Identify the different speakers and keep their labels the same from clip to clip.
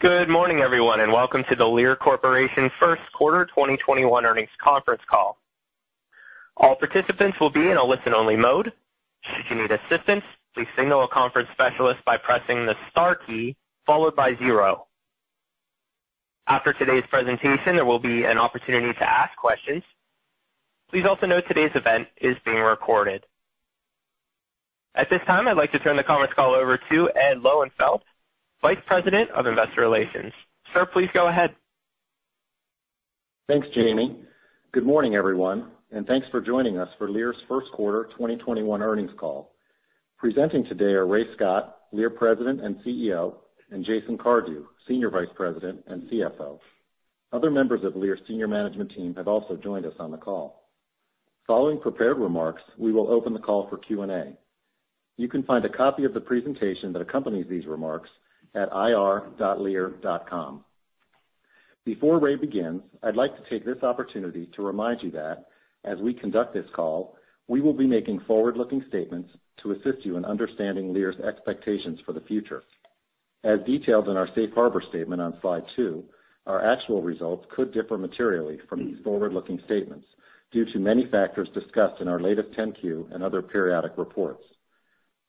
Speaker 1: Good morning, everyone, and welcome to the Lear Corporation First Quarter 2021 earnings conference call. All participants will be in a listen-only mode. Should you need assistance, please signal a conference specialist by pressing the star key followed by zero. After today's presentation, there will be an opportunity to ask questions. Please also note today's event is being recorded. At this time, I'd like to turn the conference call over to Ed Lowenfeld, Vice President of Investor Relations. Sir, please go ahead.
Speaker 2: Thanks, Jamie. Good morning, everyone, and thanks for joining us for Lear's First Quarter 2021 Earnings Call. Presenting today are Ray Scott, Lear President and CEO, and Jason Cardew, Senior Vice President and CFO. Other members of Lear's senior management team have also joined us on the call. Following prepared remarks, we will open the call for Q&A. You can find a copy of the presentation that accompanies these remarks at ir.lear.com. Before Ray begins, I'd like to take this opportunity to remind you that as we conduct this call, we will be making forward-looking statements to assist you in understanding Lear's expectations for the future. As detailed in our safe harbor statement on slide two, our actual results could differ materially from these forward-looking statements due to many factors discussed in our latest 10-Q and other periodic reports.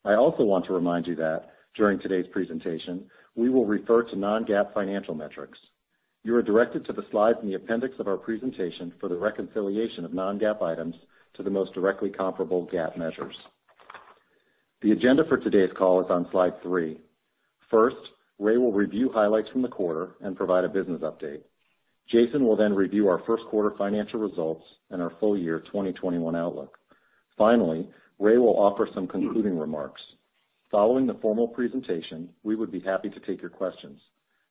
Speaker 2: I also want to remind you that during today's presentation, we will refer to non-GAAP financial metrics. You are directed to the slides in the appendix of our presentation for the reconciliation of non-GAAP items to the most directly comparable GAAP measures. The agenda for today's call is on slide three. First, Ray will review highlights from the quarter and provide a business update. Jason will then review our first quarter financial results and our full year 2021 outlook. Finally, Ray will offer some concluding remarks. Following the formal presentation, we would be happy to take your questions.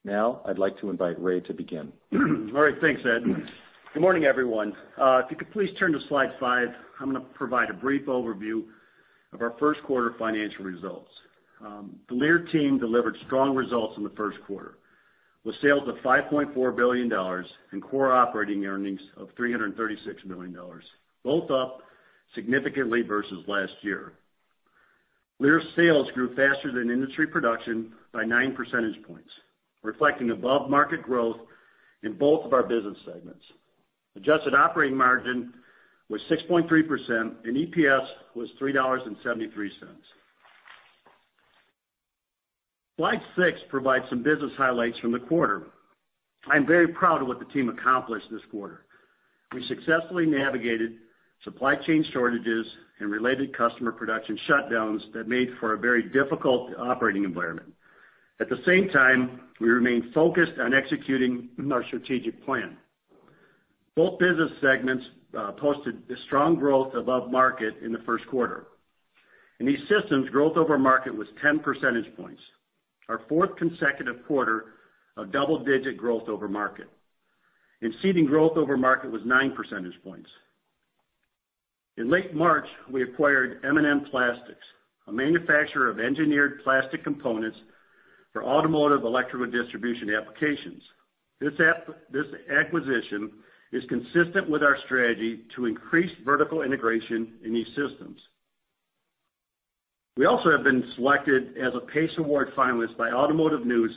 Speaker 2: Now, I'd like to invite Ray to begin.
Speaker 3: All right. Thanks, Ed. Good morning, everyone. If you could please turn to slide five, I'm going to provide a brief overview of our first quarter financial results. The Lear team delivered strong results in the first quarter with sales of $5.4 billion and core operating earnings of $336 million, both up significantly versus last year. Lear sales grew faster than industry production by nine percentage points, reflecting above-market growth in both of our business segments. Adjusted operating margin was 6.3% and EPS was $3.73. Slide six provides some business highlights from the quarter. I'm very proud of what the team accomplished this quarter. We successfully navigated supply chain shortages and related customer production shutdowns that made for a very difficult operating environment. At the same time, we remain focused on executing our strategic plan. Both business segments posted a strong growth above market in the first quarter. In E-Systems, growth over market was 10 percentage points, our fourth consecutive quarter of double-digit growth over market. In Seating, growth over market was nine percentage points. In late March, we acquired M&N Plastics, a manufacturer of engineered plastic components for automotive electrical distribution applications. This acquisition is consistent with our strategy to increase vertical integration in E-Systems. We also have been selected as a PACE Award finalist by Automotive News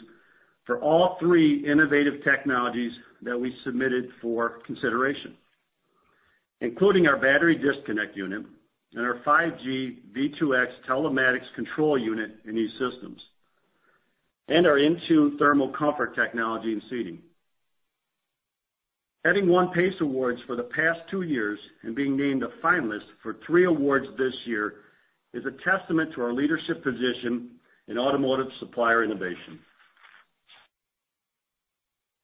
Speaker 3: for all three innovative technologies that we submitted for consideration, including our Battery Disconnect Unit and our 5G V2X Telematics Control Unit in E-Systems, and our INTU Thermal Comfort technology in Seating. Having won PACE Awards for the past two years and being named a finalist for three awards this year is a testament to our leadership position in automotive supplier innovation.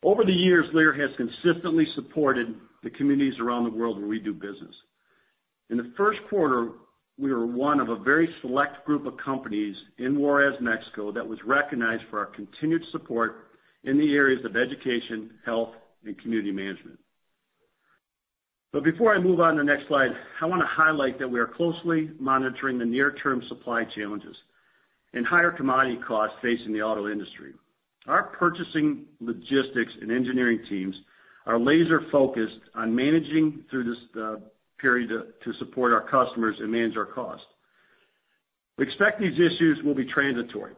Speaker 3: Over the years, Lear has consistently supported the communities around the world where we do business. In the first quarter, we were one of a very select group of companies in Juarez, Mexico, that was recognized for our continued support in the areas of education, health, and community management. Before I move on to the next slide, I want to highlight that we are closely monitoring the near-term supply challenges and higher commodity costs facing the auto industry. Our purchasing logistics and engineering teams are laser-focused on managing through this period to support our customers and manage our costs. We expect these issues will be transitory,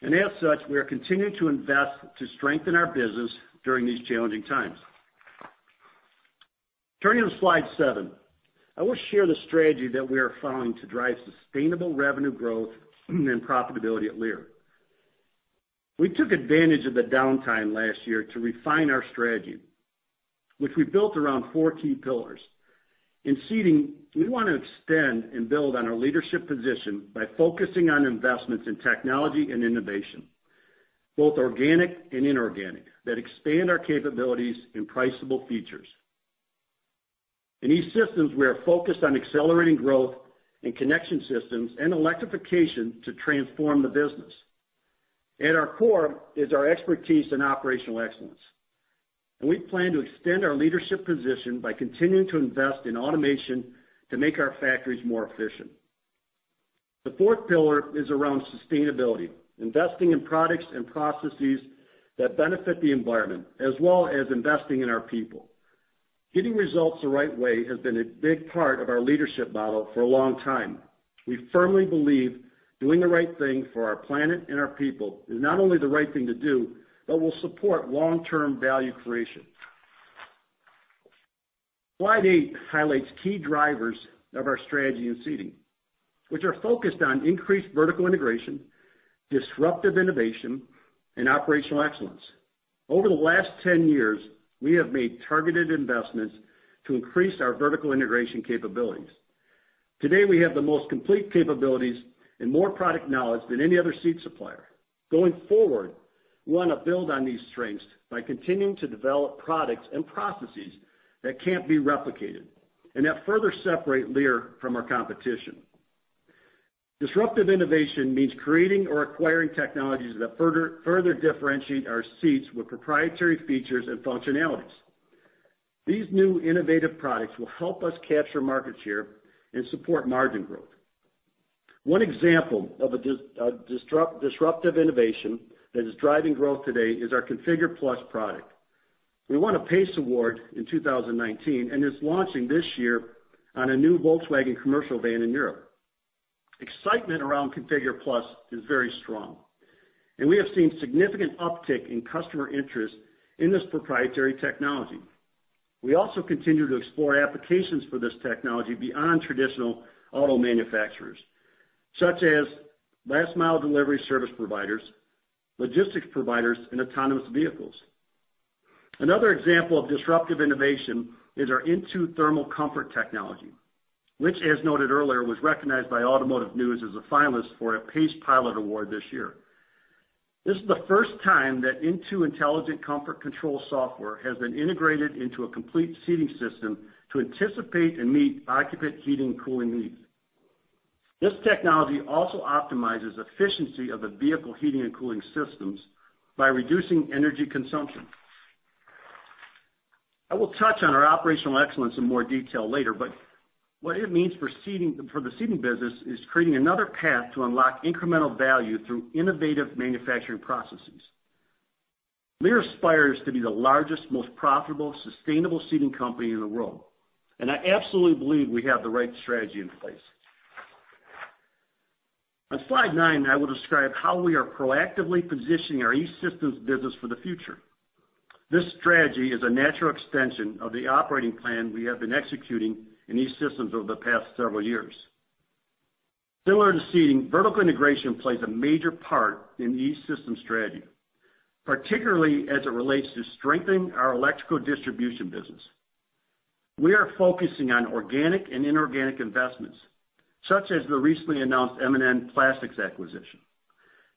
Speaker 3: and as such, we are continuing to invest to strengthen our business during these challenging times. Turning to slide seven, I want to share the strategy that we are following to drive sustainable revenue growth and profitability at Lear. We took advantage of the downtime last year to refine our strategy, which we built around four key pillars. In Seating, we want to extend and build on our leadership position by focusing on investments in technology and innovation, both organic and inorganic, that expand our capabilities in priceable features. In E-Systems, we are focused on accelerating growth in connection systems and electrification to transform the business. At our core is our expertise in operational excellence, and we plan to extend our leadership position by continuing to invest in automation to make our factories more efficient. The fourth pillar is around sustainability, investing in products and processes that benefit the environment, as well as investing in our people. Getting results the right way has been a big part of our leadership model for a long time. We firmly believe doing the right thing for our planet and our people is not only the right thing to do, but will support long-term value creation. Slide eight highlights key drivers of our strategy in Seating, which are focused on increased vertical integration, disruptive innovation, and operational excellence. Over the last 10 years, we have made targeted investments to increase our vertical integration capabilities. Today, we have the most complete capabilities and more product knowledge than any other seat supplier. Going forward, we want to build on these strengths by continuing to develop products and processes that can't be replicated and that further separate Lear from our competition. Disruptive innovation means creating or acquiring technologies that further differentiate our seats with proprietary features and functionalities. These new innovative products will help us capture market share and support margin growth. One example of a disruptive innovation that is driving growth today is our ConfigurE+ product. We won a PACE Award in 2019, and it's launching this year on a new Volkswagen commercial van in Europe. Excitement around ConfigurE+ is very strong, and we have seen significant uptick in customer interest in this proprietary technology. We also continue to explore applications for this technology beyond traditional auto manufacturers, such as last-mile delivery service providers, logistics providers, and autonomous vehicles. Another example of disruptive innovation is our INTU Thermal Comfort technology, which, as noted earlier, was recognized by Automotive News as a finalist for a PACEpilot award this year. This is the first time that INTU intelligent comfort control software has been integrated into a complete Seating system to anticipate and meet occupant heating and cooling needs. This technology also optimizes efficiency of the vehicle heating and cooling systems by reducing energy consumption. I will touch on our operational excellence in more detail later, but what it means for the Seating business is creating another path to unlock incremental value through innovative manufacturing processes. Lear aspires to be the largest, most profitable, sustainable Seating company in the world, and I absolutely believe we have the right strategy in place. On slide nine, I will describe how we are proactively positioning our E-Systems business for the future. This strategy is a natural extension of the operating plan we have been executing in E-Systems over the past several years. Similar to Seating, vertical integration plays a major part in the E-Systems strategy, particularly as it relates to strengthening our electrical distribution business. We are focusing on organic and inorganic investments, such as the recently announced M&N Plastics acquisition,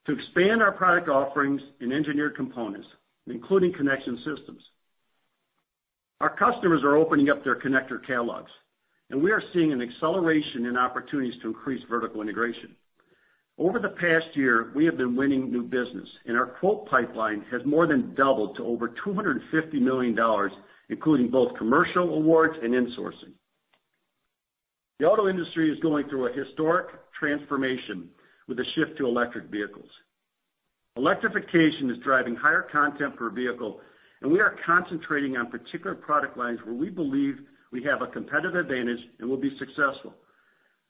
Speaker 3: to expand our product offerings in engineered components, including connection systems. Our customers are opening up their connector catalogs, and we are seeing an acceleration in opportunities to increase vertical integration. Over the past year, we have been winning new business, and our quote pipeline has more than doubled to over $250 million, including both commercial awards and insourcing. The auto industry is going through a historic transformation with the shift to electric vehicles. Electrification is driving higher content per vehicle, and we are concentrating on particular product lines where we believe we have a competitive advantage and will be successful.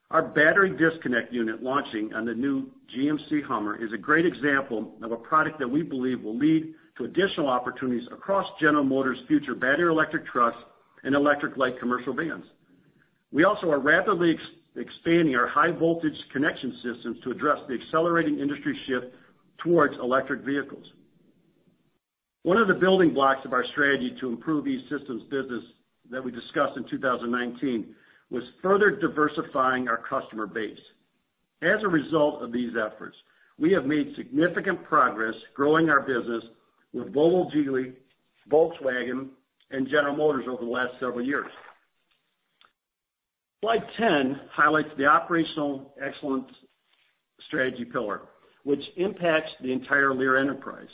Speaker 3: Our Battery Disconnect Unit launching on the new GMC HUMMER is a great example of a product that we believe will lead to additional opportunities across General Motors' future battery electric trucks and electric light commercial vans. We also are rapidly expanding our high voltage connection systems to address the accelerating industry shift towards electric vehicles. One of the building blocks of our strategy to improve E-Systems business that we discussed in 2019 was further diversifying our customer base. As a result of these efforts, we have made significant progress growing our business with Volvo, Geely, Volkswagen, and General Motors over the last several years. Slide 10 highlights the operational excellence strategy pillar, which impacts the entire Lear enterprise.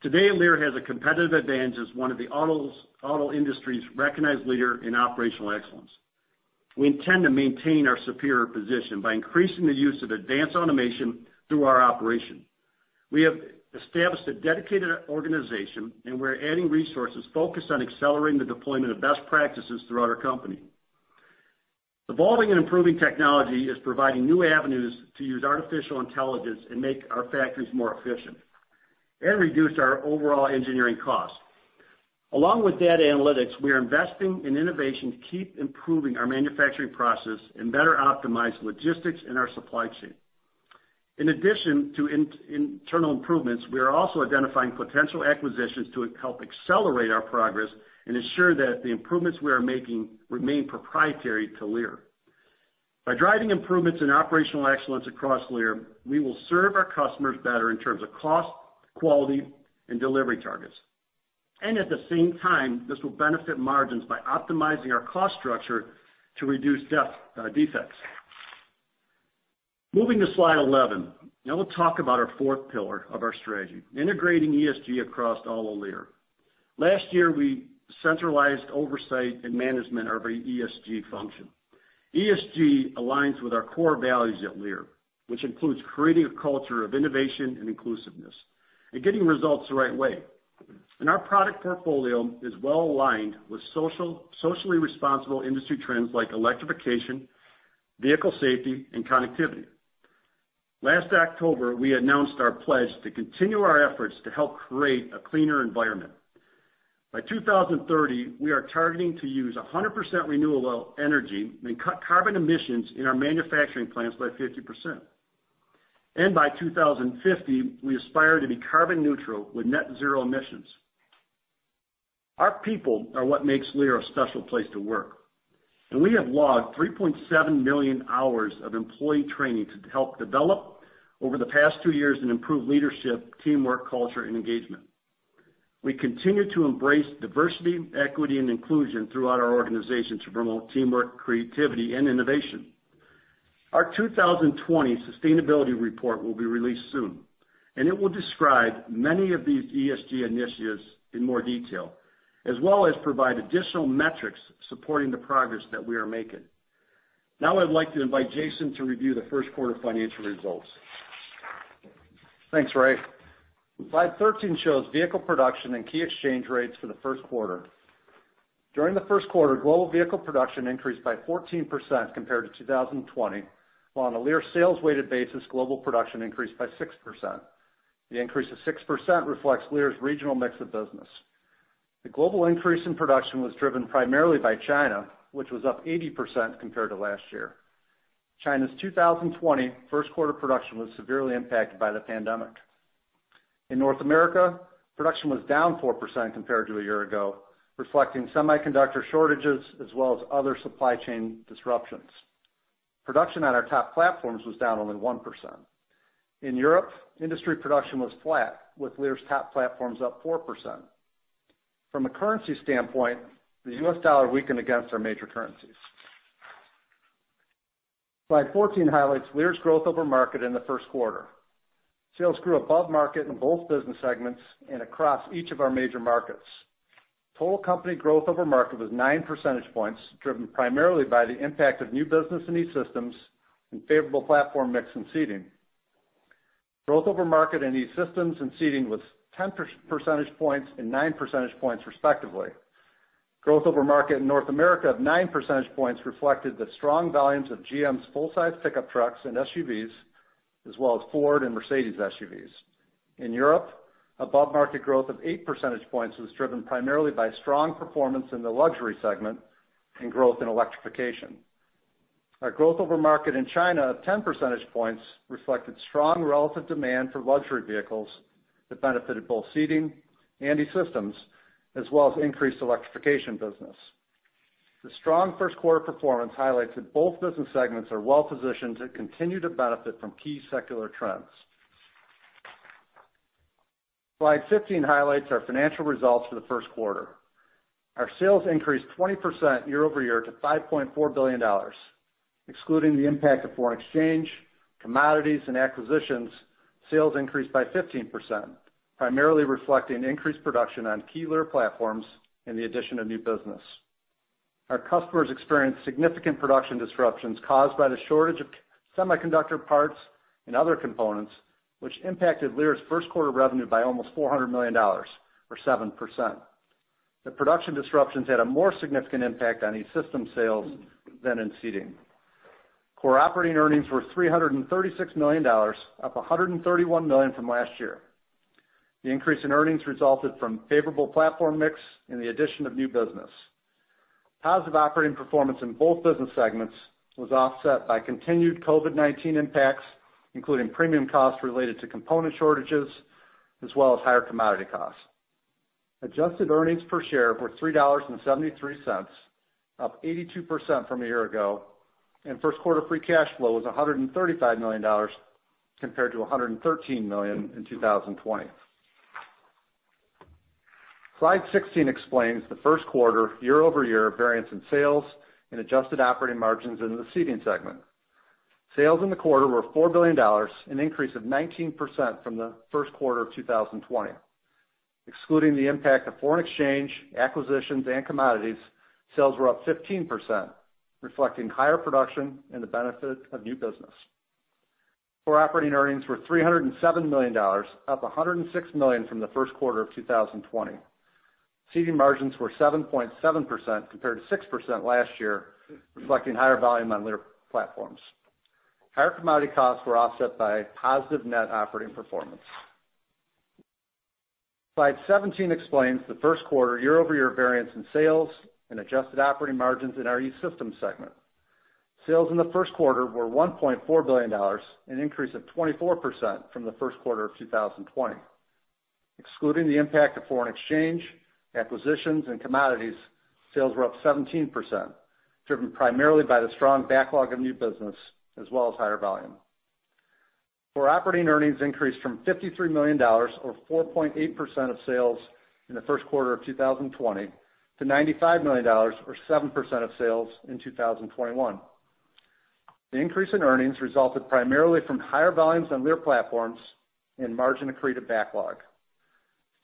Speaker 3: Today, Lear has a competitive advantage as one of the auto industry's recognized leader in operational excellence. We intend to maintain our superior position by increasing the use of advanced automation through our operation. We have established a dedicated organization, and we're adding resources focused on accelerating the deployment of best practices throughout our company. Evolving and improving technology is providing new avenues to use artificial intelligence and make our factories more efficient and reduce our overall engineering cost. Along with data analytics, we are investing in innovation to keep improving our manufacturing process and better optimize logistics in our supply chain. In addition to internal improvements, we are also identifying potential acquisitions to help accelerate our progress and ensure that the improvements we are making remain proprietary to Lear. By driving improvements in operational excellence across Lear, we will serve our customers better in terms of cost, quality, and delivery targets. At the same time, this will benefit margins by optimizing our cost structure to reduce defects. Moving to slide 11. We'll talk about our fourth pillar of our strategy, integrating ESG across all of Lear. Last year, we centralized oversight and management of our ESG function. ESG aligns with our core values at Lear, which includes creating a culture of innovation and inclusiveness and getting results the right way. Our product portfolio is well-aligned with socially responsible industry trends like electrification, vehicle safety, and connectivity. Last October, we announced our pledge to continue our efforts to help create a cleaner environment. By 2030, we are targeting to use 100% renewable energy and cut carbon emissions in our manufacturing plants by 50%. By 2050, we aspire to be carbon neutral with net zero emissions. Our people are what makes Lear a special place to work. We have logged 3.7 million hours of employee training to help develop over the past two years and improve leadership, teamwork, culture, and engagement. We continue to embrace diversity, equity, and inclusion throughout our organization to promote teamwork, creativity, and innovation. Our 2020 Sustainability Report will be released soon, and it will describe many of these ESG initiatives in more detail, as well as provide additional metrics supporting the progress that we are making. Now I'd like to invite Jason to review the first quarter financial results.
Speaker 4: Thanks, Ray. Slide 13 shows vehicle production and key exchange rates for the first quarter. During the first quarter, global vehicle production increased by 14% compared to 2020, while on a Lear sales-weighted basis, global production increased by 6%. The increase of 6% reflects Lear's regional mix of business. The global increase in production was driven primarily by China, which was up 80% compared to last year. China's 2020 first quarter production was severely impacted by the pandemic. In North America, production was down 4% compared to a year ago, reflecting semiconductor shortages as well as other supply chain disruptions. Production on our top platforms was down only 1%. In Europe, industry production was flat, with Lear's top platforms up 4%. From a currency standpoint, the U.S. dollar weakened against our major currencies. Slide 14 highlights Lear's growth over market in the first quarter. Sales grew above market in both business segments and across each of our major markets. Total company growth over market was 9 percentage points, driven primarily by the impact of new business in E-Systems and favorable platform mix in Seating. Growth over market in E-Systems and Seating was 10 percentage points and 9 percentage points respectively. Growth over market in North America of 9 percentage points reflected the strong volumes of GM's full-size pickup trucks and SUVs, as well as Ford and Mercedes SUVs. In Europe, above-market growth of 8 percentage points was driven primarily by strong performance in the luxury segment and growth in electrification. Our growth over market in China of 10 percentage points reflected strong relative demand for luxury vehicles that benefited both Seating and E-Systems, as well as increased electrification business. The strong first quarter performance highlights that both business segments are well-positioned to continue to benefit from key secular trends. Slide 15 highlights our financial results for the first quarter. Our sales increased 20% year-over-year to $5.4 billion. Excluding the impact of foreign exchange, commodities, and acquisitions, sales increased by 15%, primarily reflecting increased production on key Lear platforms and the addition of new business. Our customers experienced significant production disruptions caused by the shortage of semiconductor parts and other components, which impacted Lear's first quarter revenue by almost $400 million, or 7%. The production disruptions had a more significant impact on E-Systems sales than in Seating. Core operating earnings were $336 million, up $131 million from last year. The increase in earnings resulted from favorable platform mix and the addition of new business. Positive operating performance in both business segments was offset by continued COVID-19 impacts, including premium costs related to component shortages as well as higher commodity costs. Adjusted earnings per share were $3.73, up 82% from a year ago, and first quarter free cash flow was $135 million, compared to $113 million in 2020. Slide 16 explains the first quarter year-over-year variance in sales and adjusted operating margins in the Seating segment. Sales in the quarter were $4 billion, an increase of 19% from the first quarter of 2020. Excluding the impact of foreign exchange, acquisitions, and commodities, sales were up 15%, reflecting higher production and the benefit of new business. Core operating earnings were $307 million, up $106 million from the first quarter of 2020. Seating margins were 7.7% compared to 6% last year, reflecting higher volume on Lear platforms. Higher commodity costs were offset by positive net operating performance. Slide 17 explains the first quarter year-over-year variance in sales and adjusted operating margins in our E-Systems segment. Sales in the first quarter were $1.4 billion, an increase of 24% from the first quarter of 2020. Excluding the impact of foreign exchange, acquisitions, and commodities, sales were up 17%, driven primarily by the strong backlog of new business as well as higher volume. Core operating earnings increased from $53 million or 4.8% of sales in the first quarter of 2020 to $95 million or 7% of sales in 2021. The increase in earnings resulted primarily from higher volumes on Lear platforms and margin accretive backlog.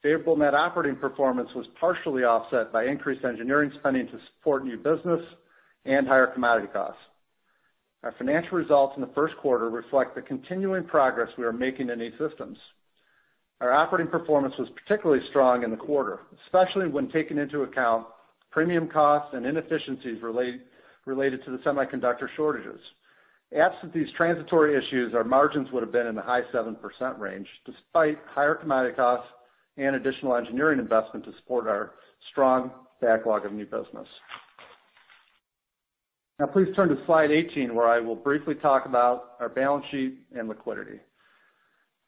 Speaker 4: Favorable net operating performance was partially offset by increased engineering spending to support new business and higher commodity costs. Our financial results in the first quarter reflect the continuing progress we are making in E-Systems. Our operating performance was particularly strong in the quarter, especially when taking into account premium costs and inefficiencies related to the semiconductor shortages. Absent these transitory issues, our margins would have been in the high 7% range, despite higher commodity costs and additional engineering investment to support our strong backlog of new business. Now please turn to slide 18, where I will briefly talk about our balance sheet and liquidity.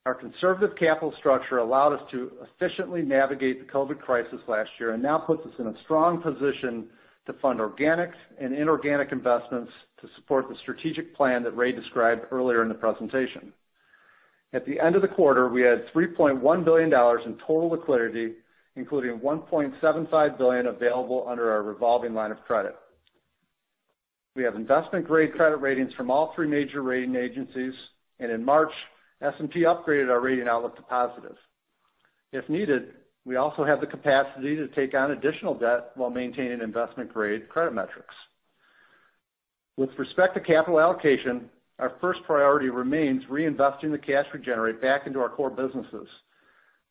Speaker 4: Our conservative capital structure allowed us to efficiently navigate the COVID crisis last year and now puts us in a strong position to fund organic and inorganic investments to support the strategic plan that Ray described earlier in the presentation. At the end of the quarter, we had $3.1 billion in total liquidity, including $1.75 billion available under our revolving line of credit. We have investment-grade credit ratings from all three major rating agencies, and in March, S&P upgraded our rating outlook to positive. If needed, we also have the capacity to take on additional debt while maintaining investment-grade credit metrics. With respect to capital allocation, our first priority remains reinvesting the cash we generate back into our core businesses.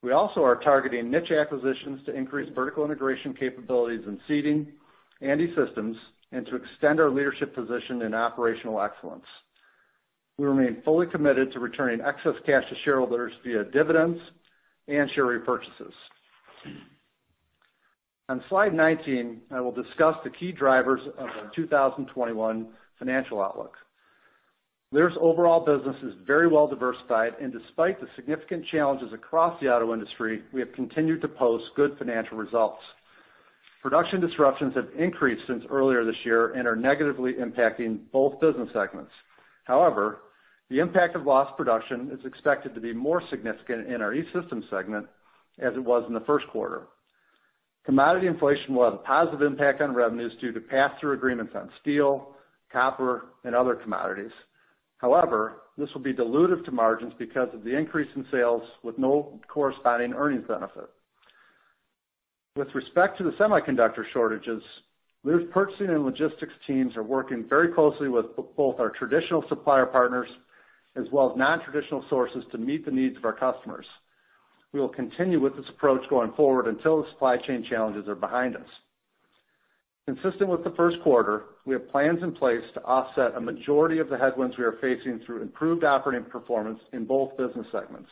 Speaker 4: We also are targeting niche acquisitions to increase vertical integration capabilities in Seating and E-Systems and to extend our leadership position in operational excellence. We remain fully committed to returning excess cash to shareholders via dividends and share repurchases. On slide 19, I will discuss the key drivers of our 2021 financial outlook. Lear's overall business is very well-diversified, and despite the significant challenges across the auto industry, we have continued to post good financial results. Production disruptions have increased since earlier this year and are negatively impacting both business segments. However, the impact of lost production is expected to be more significant in our E-Systems segment as it was in the first quarter. Commodity inflation will have a positive impact on revenues due to pass-through agreements on steel, copper, and other commodities. However, this will be dilutive to margins because of the increase in sales with no corresponding earnings benefit. With respect to the semiconductor shortages, Lear's purchasing and logistics teams are working very closely with both our traditional supplier partners as well as non-traditional sources to meet the needs of our customers. We will continue with this approach going forward until the supply chain challenges are behind us. Consistent with the first quarter, we have plans in place to offset a majority of the headwinds we are facing through improved operating performance in both business segments.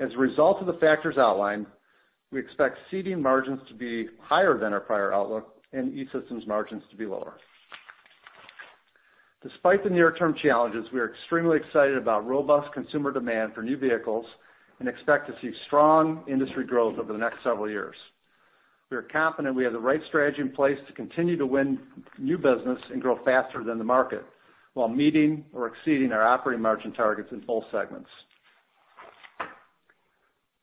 Speaker 4: As a result of the factors outlined, we expect Seating margins to be higher than our prior outlook and E-Systems margins to be lower. Despite the near-term challenges, we are extremely excited about robust consumer demand for new vehicles and expect to see strong industry growth over the next several years. We are confident we have the right strategy in place to continue to win new business and grow faster than the market while meeting or exceeding our operating margin targets in both segments.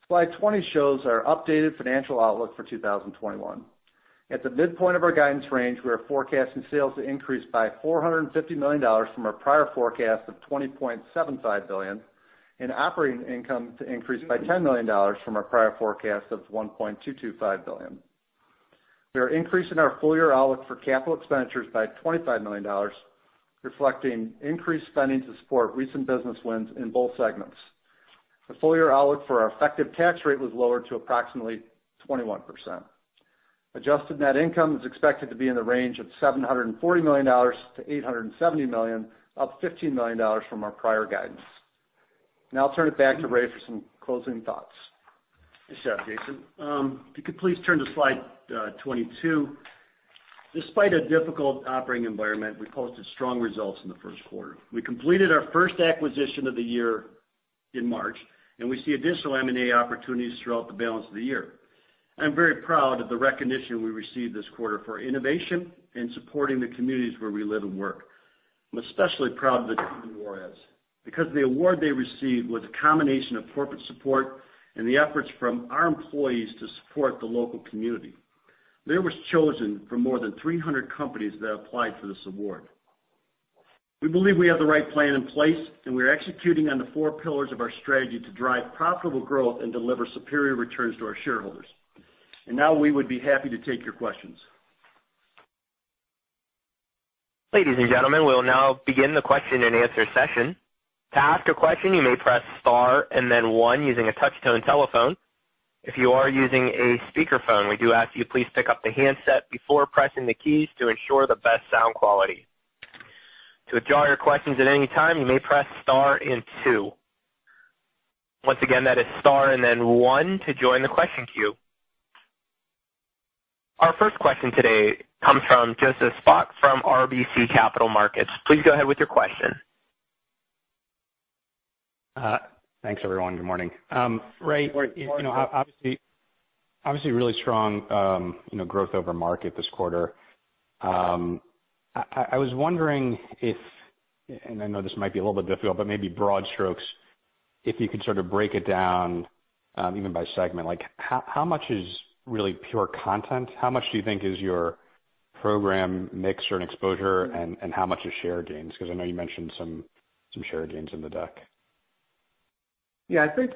Speaker 4: Slide 20 shows our updated financial outlook for 2021. At the midpoint of our guidance range, we are forecasting sales to increase by $450 million from our prior forecast of $20.75 billion and operating income to increase by $10 million from our prior forecast of $1.225 billion. We are increasing our full-year outlook for capital expenditures by $25 million, reflecting increased spending to support recent business wins in both segments. The full-year outlook for our effective tax rate was lowered to approximately 21%. Adjusted net income is expected to be in the range of $740 million-$870 million, up $15 million from our prior guidance. Now I'll turn it back to Ray for some closing thoughts.
Speaker 3: Thanks a lot, Jason. If you could please turn to slide 22. Despite a difficult operating environment, we posted strong results in the first quarter. We completed our first acquisition of the year in March, and we see additional M&A opportunities throughout the balance of the year. I'm very proud of the recognition we received this quarter for innovation and supporting the communities where we live and work. I'm especially proud of the team in Juarez because the award they received was a combination of corporate support and the efforts from our employees to support the local community. Lear was chosen from more than 300 companies that applied for this award. We believe we have the right plan in place, and we are executing on the four pillars of our strategy to drive profitable growth and deliver superior returns to our shareholders. Now we would be happy to take your questions.
Speaker 1: Ladies and gentlemen, we'll now begin the question-and-answer session. To ask a question, you may press star and then one using a touch-tone telephone. If you are using a speakerphone, we do ask you please pick up the handset before pressing the keys to ensure the best sound quality. To withdraw your questions at any time, you may press star and two. Once again, that is star and then one to join the question queue. Our first question today comes from Joseph Spak from RBC Capital Markets. Please go ahead with your question.
Speaker 5: Thanks, everyone. Good morning.
Speaker 3: Good morning.
Speaker 5: Obviously really strong growth over market this quarter. I was wondering if, and I know this might be a little bit difficult, but maybe broad strokes, if you could sort of break it down even by segment, how much is really pure content? How much do you think is your program mix or an exposure, and how much is share gains? Because I know you mentioned some share gains in the deck.
Speaker 4: I think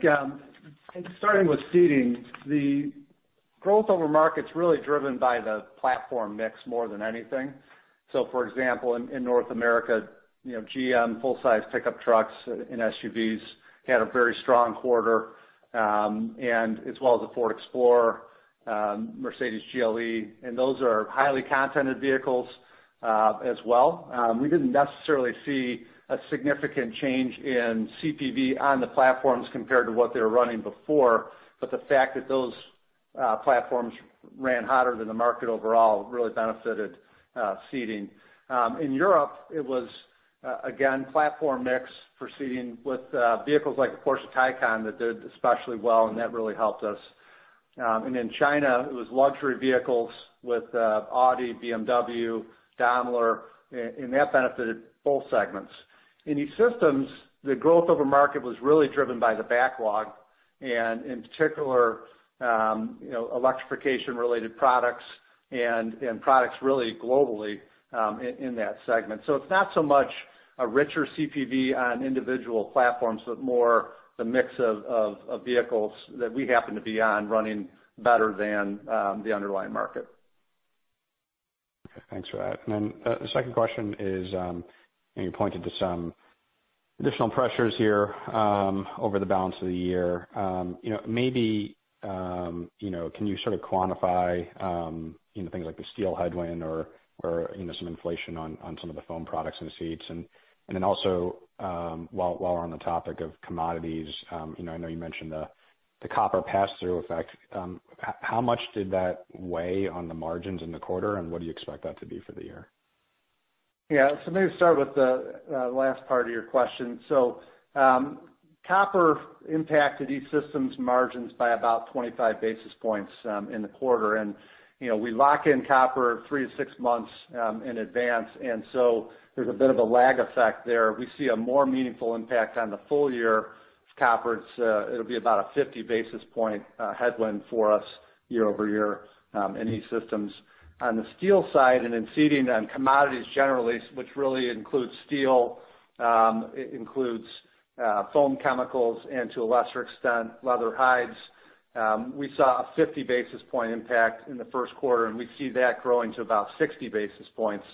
Speaker 4: starting with Seating, the growth over market's really driven by the platform mix more than anything. For example, in North America, GM full-size pickup trucks and SUVs had a very strong quarter, as well as the Ford Explorer, Mercedes-Benz GLE. Those are highly content-ed vehicles as well. We didn't necessarily see a significant change in CPV on the platforms compared to what they were running before, but the fact that those platforms ran hotter than the market overall really benefited Seating. In Europe, it was, again, platform mix for Seating with vehicles like the Porsche Taycan that did especially well, and that really helped us. In China, it was luxury vehicles with Audi, BMW, Daimler, and that benefited both segments. In E-Systems, the growth over market was really driven by the backlog, and in particular, electrification related products and products really globally in that segment. It's not so much a richer CPV on individual platforms, but more the mix of vehicles that we happen to be on running better than the underlying market.
Speaker 5: Okay, thanks for that. The second question is, you pointed to some additional pressures here over the balance of the year. Maybe can you sort of quantify things like the steel headwind or some inflation on some of the foam products in the seats? While we're on the topic of commodities, I know you mentioned the copper pass-through effect. How much did that weigh on the margins in the quarter, and what do you expect that to be for the year?
Speaker 4: Yeah. Maybe to start with the last part of your question. Copper impacted E-Systems margins by about 25 basis points in the quarter. We lock in copper three-six months in advance, and so there's a bit of a lag effect there. We see a more meaningful impact on the full year. Copper, it'll be about a 50 basis point headwind for us year-over-year in E-Systems. On the steel side and in Seating on commodities generally, which really includes steel, it includes foam chemicals, and to a lesser extent, leather hides. We saw a 50 basis point impact in the first quarter, and we see that growing to about 60 basis points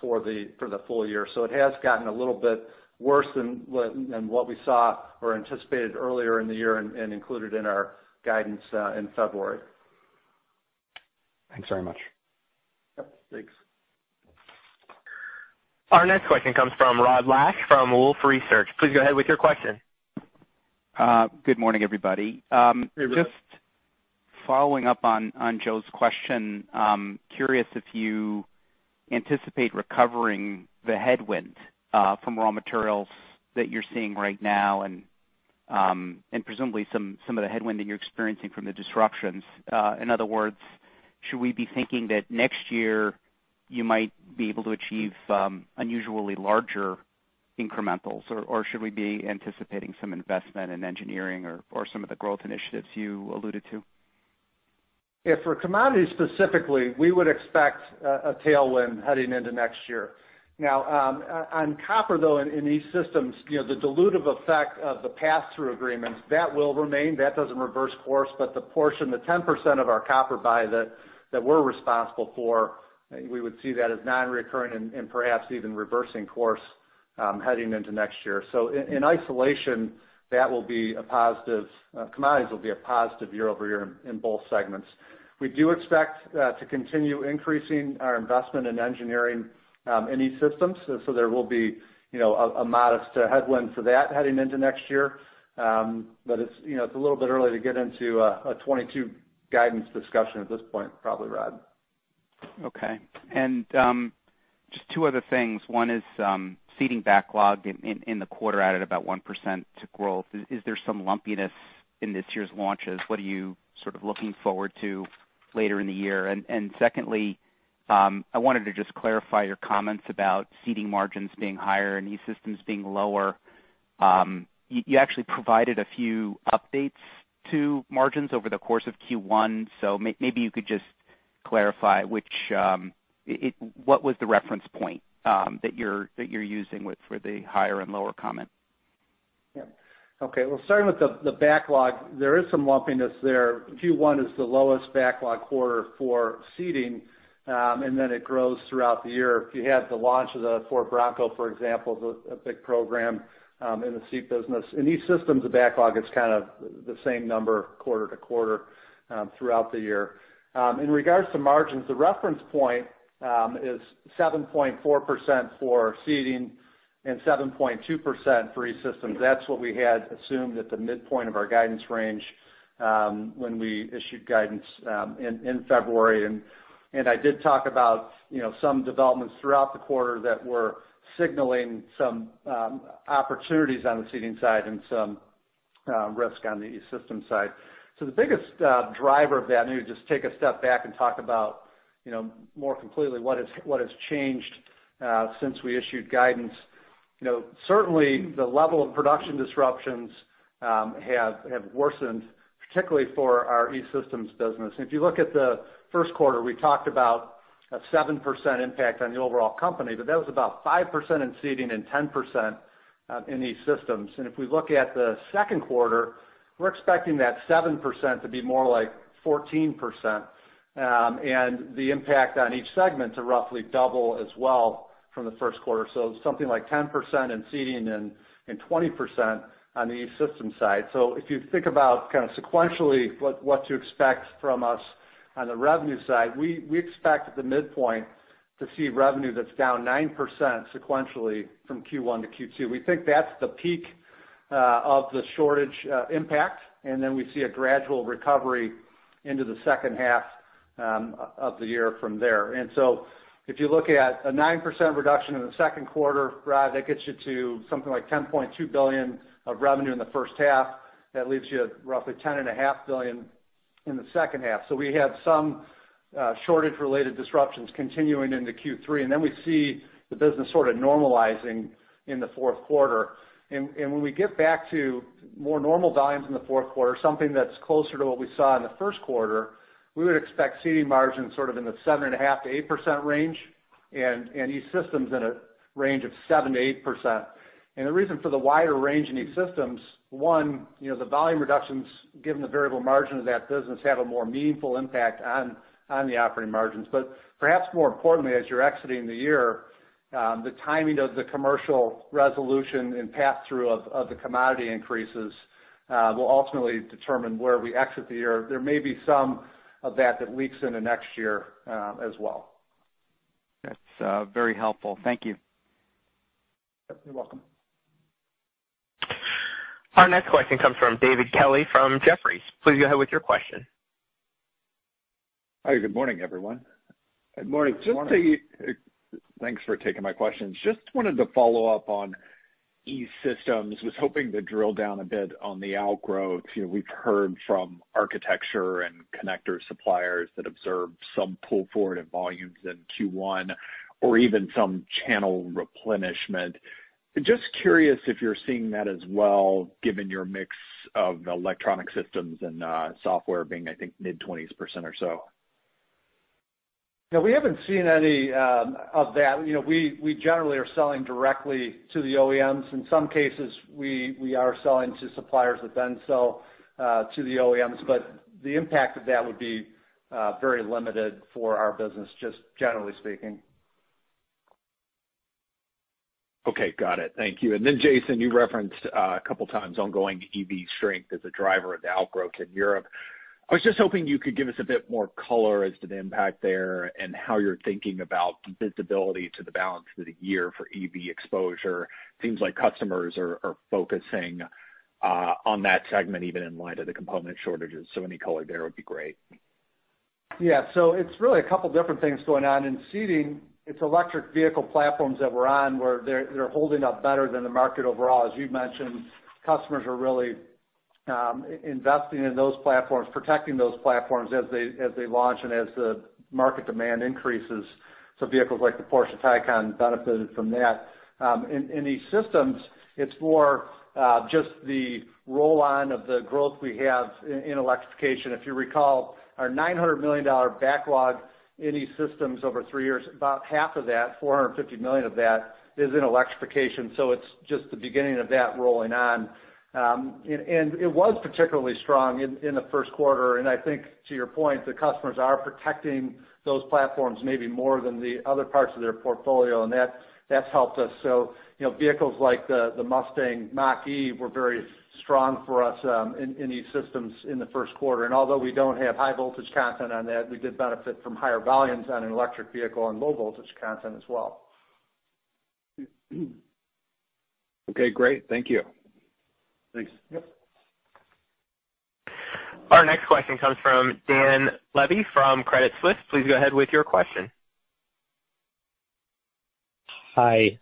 Speaker 4: for the full year. It has gotten a little bit worse than what we saw or anticipated earlier in the year and included in our guidance in February.
Speaker 5: Thanks very much.
Speaker 3: Yep. Thanks.
Speaker 1: Our next question comes from Rod Lache from Wolfe Research. Please go ahead with your question.
Speaker 6: Good morning, everybody.
Speaker 4: Hey, Rod.
Speaker 6: Just following up on Joe's question. Curious if you anticipate recovering the headwind from raw materials that you're seeing right now, and presumably some of the headwind that you're experiencing from the disruptions. In other words, should we be thinking that next year you might be able to achieve unusually larger incrementals, or should we be anticipating some investment in engineering or some of the growth initiatives you alluded to?
Speaker 4: Yeah. For commodities specifically, we would expect a tailwind heading into next year. Now, on copper, though, in E-Systems, the dilutive effect of the pass-through agreements, that will remain. That doesn't reverse course, but the portion, the 10% of our copper buy that we're responsible for, we would see that as non-recurring and perhaps even reversing course heading into next year. In isolation, commodities will be a positive year-over-year in both segments. We do expect to continue increasing our investment in engineering in E-Systems. There will be a modest headwind for that heading into next year. It's a little bit early to get into a 2022 guidance discussion at this point probably, Rod.
Speaker 6: Okay. Just two other things. One is Seating backlog in the quarter added about 1% to growth. Is there some lumpiness in this year's launches? What are you sort of looking forward to later in the year? Secondly, I wanted to just clarify your comments about Seating margins being higher and E-Systems being lower. You actually provided a few updates to margins over the course of Q1, so maybe you could just clarify what was the reference point that you're using for the higher and lower comment?
Speaker 4: Yeah. Okay. Well, starting with the backlog, there is some lumpiness there. Q1 is the lowest backlog quarter for Seating, and then it grows throughout the year. If you had the launch of the Ford Bronco, for example, a big program in the Seating business. In E-Systems, the backlog is kind of the same number quarter to quarter throughout the year. In regards to margins, the reference point is 7.4% for Seating and 7.2% for E-Systems. That's what we had assumed at the midpoint of our guidance range when we issued guidance in February. I did talk about some developments throughout the quarter that were signaling some opportunities on the Seating side and some risk on the E-Systems side. The biggest driver of that, maybe just take a step back and talk about more completely what has changed since we issued guidance. Certainly, the level of production disruptions have worsened, particularly for our E-Systems business. You look at the first quarter, we talked about a 7% impact on the overall company, but that was about 5% in Seating and 10% in E-Systems. If we look at the second quarter, we're expecting that 7% to be more like 14%, and the impact on each segment to roughly double as well from the first quarter. Something like 10% in Seating and 20% on the E-Systems side. If you think about kind of sequentially what to expect from us on the revenue side, we expect at the midpoint to see revenue that's down 9% sequentially from Q1 to Q2. We think that's the peak of the shortage impact, then we see a gradual recovery into the second half of the year from there. If you look at a 9% reduction in the second quarter, Rod, that gets you to something like $10.2 billion of revenue in the first half. That leaves you at roughly $10.5 billion in the second half. We have some shortage-related disruptions continuing into Q3, and then we see the business sort of normalizing in the fourth quarter. When we get back to more normal volumes in the fourth quarter, something that's closer to what we saw in the first quarter, we would expect Seating margins sort of in the 7.5%-8% range and E-Systems in a range of 7%-8%. The reason for the wider range in E-Systems, one, the volume reductions, given the variable margin of that business, have a more meaningful impact on the operating margins. Perhaps more importantly, as you're exiting the year, the timing of the commercial resolution and pass-through of the commodity increases will ultimately determine where we exit the year. There may be some of that that leaks into next year as well.
Speaker 6: That's very helpful. Thank you.
Speaker 4: You're welcome.
Speaker 1: Our next question comes from David Kelley from Jefferies. Please go ahead with your question.
Speaker 7: Hi, good morning, everyone.
Speaker 4: Good morning.
Speaker 7: Thanks for taking my questions. Wanted to follow up on E-Systems. Was hoping to drill down a bit on the outgrowth. We've heard from architecture and connector suppliers that observed some pull forward in volumes in Q1 or even some channel replenishment. Curious if you're seeing that as well, given your mix of electronic systems and software being, I think, mid-20% or so.
Speaker 4: No, we haven't seen any of that. We generally are selling directly to the OEMs. In some cases, we are selling to suppliers that then sell to the OEMs, but the impact of that would be very limited for our business, just generally speaking.
Speaker 7: Okay, got it. Thank you. And then Jason, you referenced two times ongoing EV strength as a driver of the outgrowth in Europe. I was just hoping you could give us a bit more color as to the impact there and how you're thinking about visibility to the balance of the year for EV exposure. Seems like customers are focusing on that segment, even in light of the component shortages. Any color there would be great.
Speaker 4: It's really a couple different things going on. In Seating, it's electric vehicle platforms that we're on where they're holding up better than the market overall. As you mentioned, customers are really investing in those platforms, protecting those platforms as they launch and as the market demand increases. Vehicles like the Porsche Taycan benefited from that. In E-Systems, it's more just the roll-on of the growth we have in electrification. If you recall, our $900 million backlog in E-Systems over three years, about half of that, $450 million of that, is in electrification. It's just the beginning of that rolling on. It was particularly strong in the first quarter, and I think to your point, the customers are protecting those platforms maybe more than the other parts of their portfolio, and that's helped us. Vehicles like the Mustang Mach-E were very strong for us in E-Systems in the first quarter. Although we don't have high voltage content on that, we did benefit from higher volumes on an electric vehicle and low voltage content as well.
Speaker 7: Okay, great. Thank you.
Speaker 4: Thanks.
Speaker 1: Our next question comes from Dan Levy from Credit Suisse. Please go ahead with your question.
Speaker 8: Hi,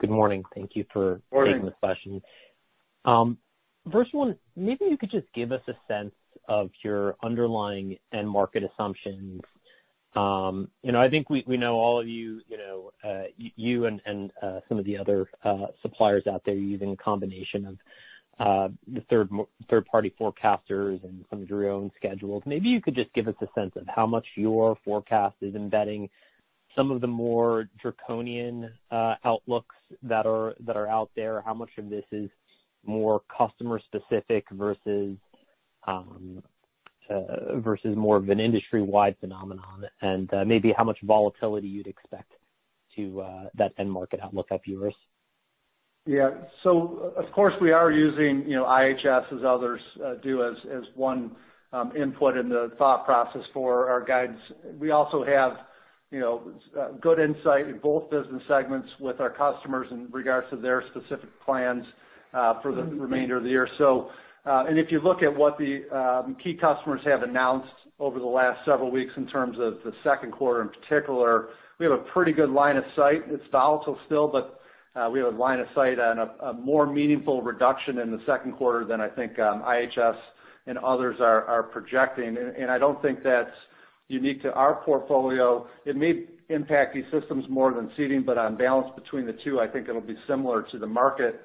Speaker 8: good morning. Thank you for taking this question. First one, maybe you could just give us a sense of your underlying end market assumptions. I think we know all of you and some of the other suppliers out there using a combination of the third-party forecasters and some of your own schedules. Maybe you could just give us a sense of how much your forecast is embedding some of the more draconian outlooks that are out there. How much of this is more customer specific versus more of an industry-wide phenomenon? Maybe how much volatility you'd expect to that end market outlook of yours.
Speaker 4: Of course, we are using IHS as others do as one input in the thought process for our guidance. We also have good insight in both business segments with our customers in regards to their specific plans for the remainder of the year. If you look at what the key customers have announced over the last several weeks in terms of the second quarter in particular, we have a pretty good line of sight. It's volatile still, but we have a line of sight on a more meaningful reduction in the second quarter than I think IHS and others are projecting. I don't think that's unique to our portfolio. It may impact E-systems more than Seating, but on balance between the two, I think it'll be similar to the market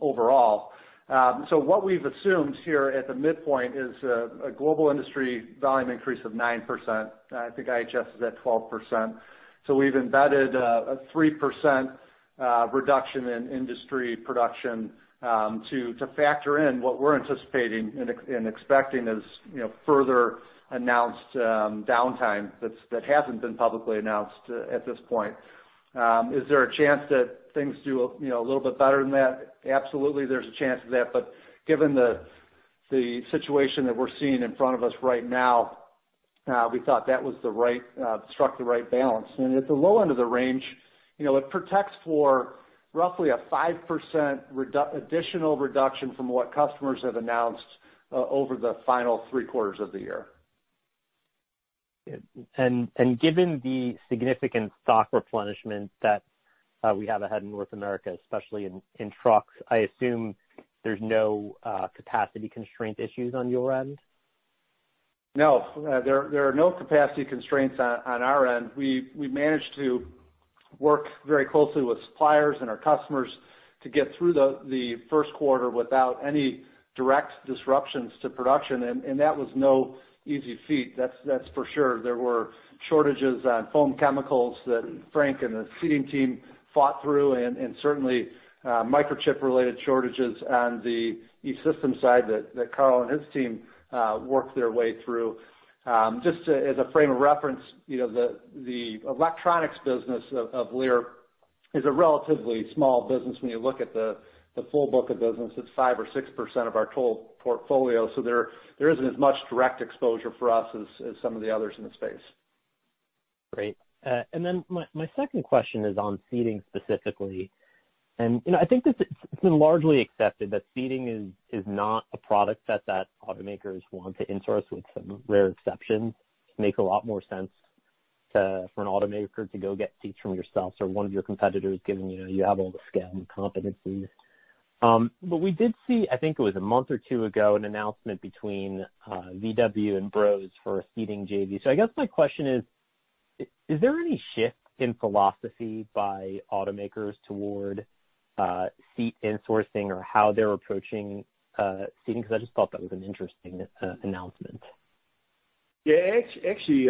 Speaker 4: overall. What we've assumed here at the midpoint is a global industry volume increase of 9%. I think IHS is at 12%. We've embedded a 3% reduction in industry production to factor in what we're anticipating and expecting as further announced downtime that hasn't been publicly announced at this point. Is there a chance that things do a little bit better than that? Absolutely, there's a chance of that. Given the situation that we're seeing in front of us right now, we thought that struck the right balance. At the low end of the range, it protects for roughly a 5% additional reduction from what customers have announced over the final three quarters of the year.
Speaker 8: Given the significant stock replenishment that we have ahead in North America, especially in trucks, I assume there's no capacity constraint issues on your end?
Speaker 4: No, there are no capacity constraints on our end. We managed to work very closely with suppliers and our customers to get through the first quarter without any direct disruptions to production. That was no easy feat. That's for sure. There were shortages on foam chemicals that Frank and the Seating team fought through. Certainly microchip-related shortages on the E-Systems side that Carl and his team worked their way through. Just as a frame of reference, the electronics business of Lear is a relatively small business. When you look at the full book of business, it's 5% or 6% of our total portfolio. There isn't as much direct exposure for us as some of the others in the space.
Speaker 8: Great. My second question is on Seating specifically. I think it's been largely accepted that Seating is not a product set that automakers want to insource with some rare exceptions. Makes a lot more sense for an automaker to go get seats from yourselves or one of your competitors, given you have all the scale and competencies. We did see, I think it was a month or two ago, an announcement between VW and Brose for a Seating JV. I guess my question is there any shift in philosophy by automakers toward seat insourcing or how they're approaching Seating? Because I just thought that was an interesting announcement.
Speaker 3: Yeah, actually,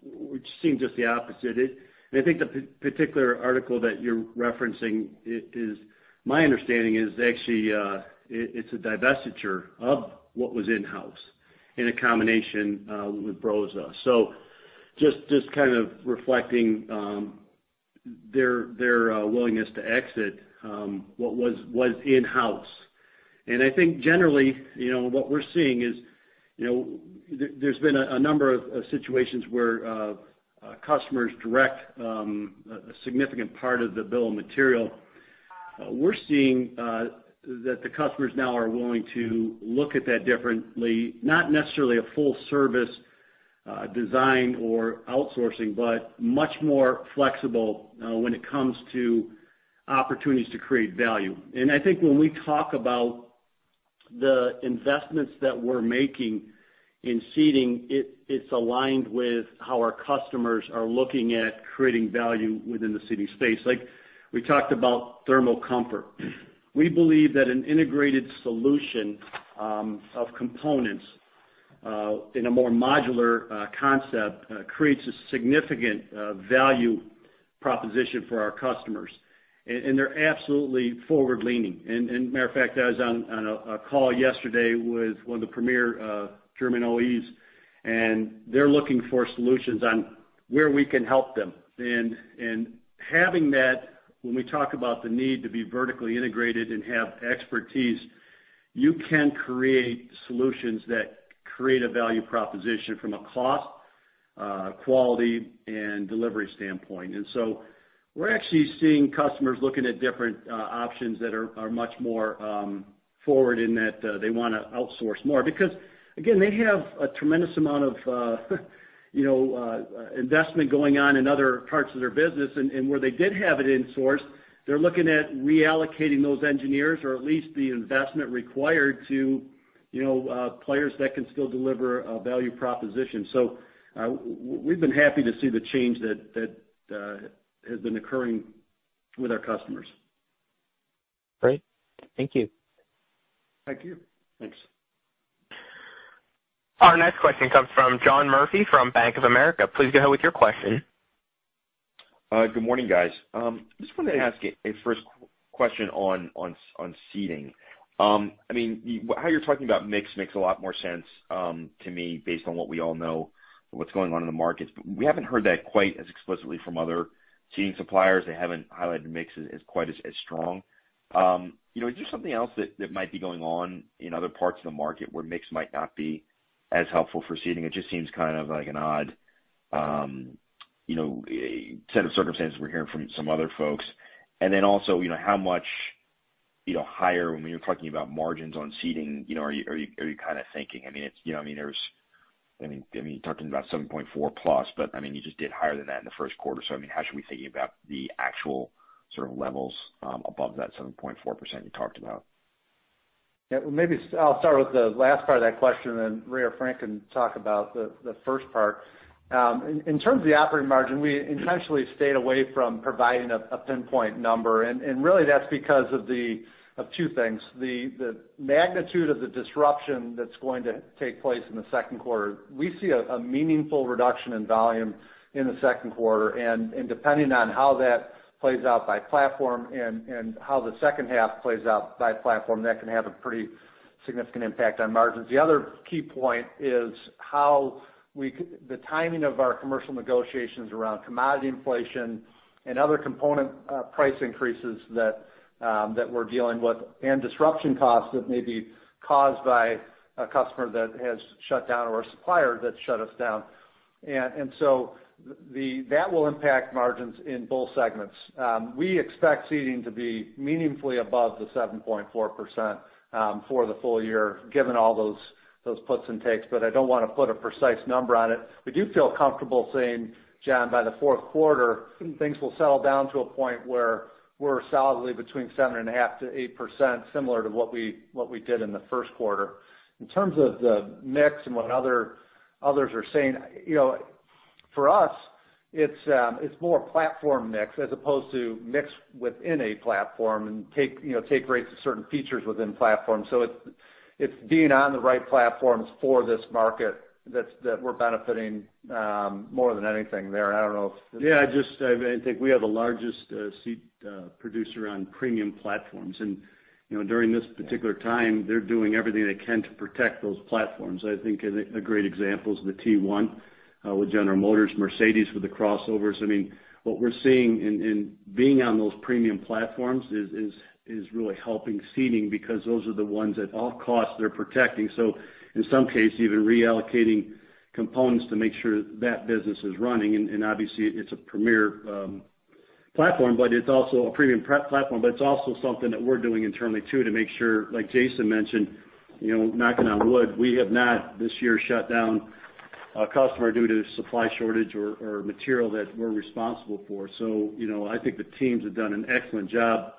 Speaker 3: we've seen just the opposite. I think the particular article that you're referencing, my understanding is actually it's a divestiture of what was in-house in a combination with Brose. Just kind of reflecting their willingness to exit what was in-house. I think generally, what we're seeing is there's been a number of situations where customers direct a significant part of the bill of material. We're seeing that the customers now are willing to look at that differently, not necessarily a full-service design or outsourcing, but much more flexible when it comes to opportunities to create value. I think when we talk about the investments that we're making in Seating, it's aligned with how our customers are looking at creating value within the Seating space. Like we talked about thermal comfort. We believe that an integrated solution of components in a more modular concept creates a significant value proposition for our customers. They're absolutely forward-leaning. Matter of fact, I was on a call yesterday with one of the premier German OEMs. They're looking for solutions on where we can help them. Having that, when we talk about the need to be vertically integrated and have expertise, you can create solutions that create a value proposition from a cost, quality, and delivery standpoint. We're actually seeing customers looking at different options that are much more forward in that they want to outsource more because, again, they have a tremendous amount of investment going on in other parts of their business. Where they did have it insourced, they're looking at reallocating those engineers or at least the investment required to players that can still deliver a value proposition. We've been happy to see the change that has been occurring with our customers.
Speaker 8: Great. Thank you.
Speaker 4: Thank you.
Speaker 3: Thanks.
Speaker 1: Our next question comes from John Murphy from Bank of America. Please go ahead with your question.
Speaker 9: Good morning, guys. I just wanted to ask a first question on Seating. How you're talking about mix makes a lot more sense to me based on what we all know, what's going on in the markets. We haven't heard that quite as explicitly from other Seating suppliers. They haven't highlighted mix as quite as strong. Is there something else that might be going on in other parts of the market where mix might not be as helpful for Seating? It just seems kind of like an odd set of circumstances we're hearing from some other folks. How much higher, when you're talking about margins on Seating, are you thinking, you're talking about 7.4%+, you just did higher than that in the first quarter. How should we think about the actual sort of levels above that 7.4% you talked about?
Speaker 4: Maybe I'll start with the last part of that question, Ray or Frank can talk about the first part. In terms of the operating margin, we intentionally stayed away from providing a pinpoint number, really that's because of two things. The magnitude of the disruption that's going to take place in the second quarter, we see a meaningful reduction in volume in the second quarter, depending on how that plays out by platform and how the second half plays out by platform, that can have a pretty significant impact on margins. The other key point is the timing of our commercial negotiations around commodity inflation and other component price increases that we're dealing with, disruption costs that may be caused by a customer that has shut down or a supplier that's shut us down. That will impact margins in both segments. We expect Seating to be meaningfully above the 7.4% for the full year, given all those puts and takes, but I don't want to put a precise number on it. We do feel comfortable saying, John, by the fourth quarter, things will settle down to a point where we're solidly between 7.5%-8%, similar to what we did in the first quarter. In terms of the mix and what others are saying, for us, it's more platform mix as opposed to mix within a platform and take rates of certain features within platforms. It's being on the right platforms for this market that we're benefiting more than anything there.
Speaker 3: I think we have the largest seat producer on premium platforms, and during this particular time, they're doing everything they can to protect those platforms. I think a great example is the T1 with General Motors, Mercedes with the crossovers. What we're seeing in being on those premium platforms is really helping Seating because those are the ones at all costs they're protecting. In some cases, even reallocating components to make sure that business is running, and obviously it's a premier platform, a premium platform, but it's also something that we're doing internally too, to make sure, like Jason mentioned, knocking on wood, we have not this year shut down a customer due to supply shortage or material that we're responsible for. I think the teams have done an excellent job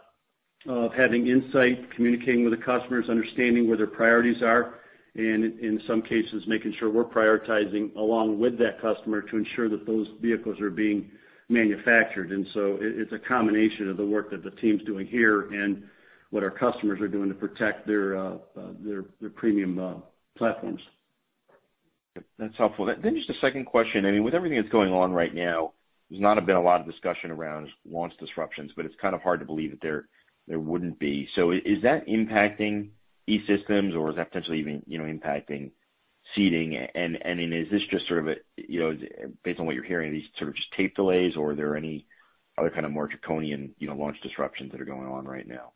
Speaker 3: of having insight, communicating with the customers, understanding where their priorities are, and in some cases, making sure we're prioritizing along with that customer to ensure that those vehicles are being manufactured. It's a combination of the work that the team's doing here and what our customers are doing to protect their premium platforms.
Speaker 9: That's helpful. Just a second question. With everything that's going on right now, there's not been a lot of discussion around launch disruptions, but it's kind of hard to believe that there wouldn't be. Is that impacting E-Systems, or is that potentially even impacting Seating? Is this just sort of, based on what you're hearing, are these sort of just tape delays, or are there any other kind of more draconian launch disruptions that are going on right now?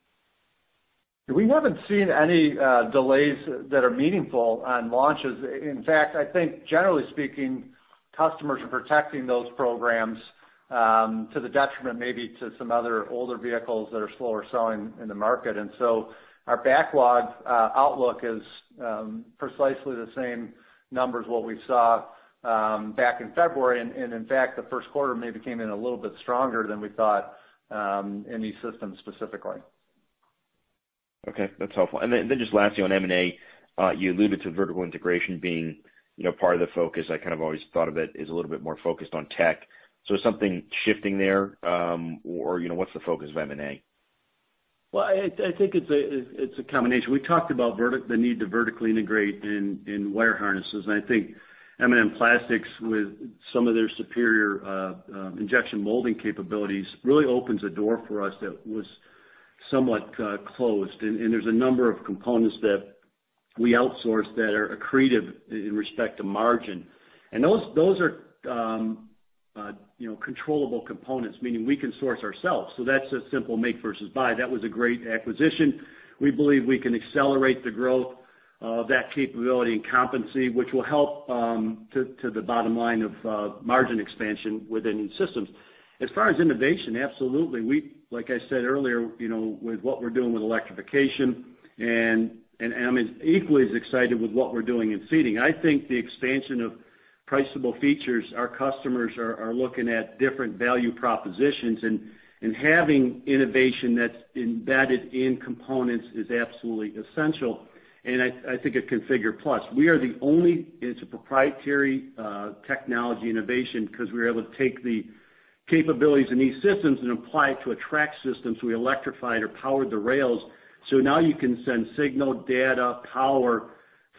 Speaker 4: We haven't seen any delays that are meaningful on launches. In fact, I think generally speaking, customers are protecting those programs, to the detriment maybe to some other older vehicles that are slower selling in the market. Our backlog outlook is precisely the same numbers what we saw back in February. In fact, the first quarter maybe came in a little bit stronger than we thought, in E-Systems specifically.
Speaker 9: Okay, that's helpful. Just lastly on M&A, you alluded to vertical integration being part of the focus. I kind of always thought of it as a little bit more focused on tech. Something shifting there? What's the focus of M&A?
Speaker 3: Well, I think it's a combination. We talked about the need to vertically integrate in wire harnesses, and I think M&N Plastics with some of their superior injection molding capabilities really opens a door for us that was somewhat closed. There's a number of components that we outsource that are accretive in respect to margin. Those are controllable components, meaning we can source ourselves. That's a simple make versus buy. That was a great acquisition. We believe we can accelerate the growth of that capability and competency, which will help to the bottom line of margin expansion within E-Systems. As far as innovation, absolutely. Like I said earlier, with what we're doing with electrification and I'm equally as excited with what we're doing in Seating. I think the expansion of priceable features, our customers are looking at different value propositions, and having innovation that's embedded in components is absolutely essential. I think of ConfigurE+. It's a proprietary technology innovation because we were able to take the capabilities in E-Systems and apply it to a track system, so we electrified or powered the rails. Now you can send signal, data, power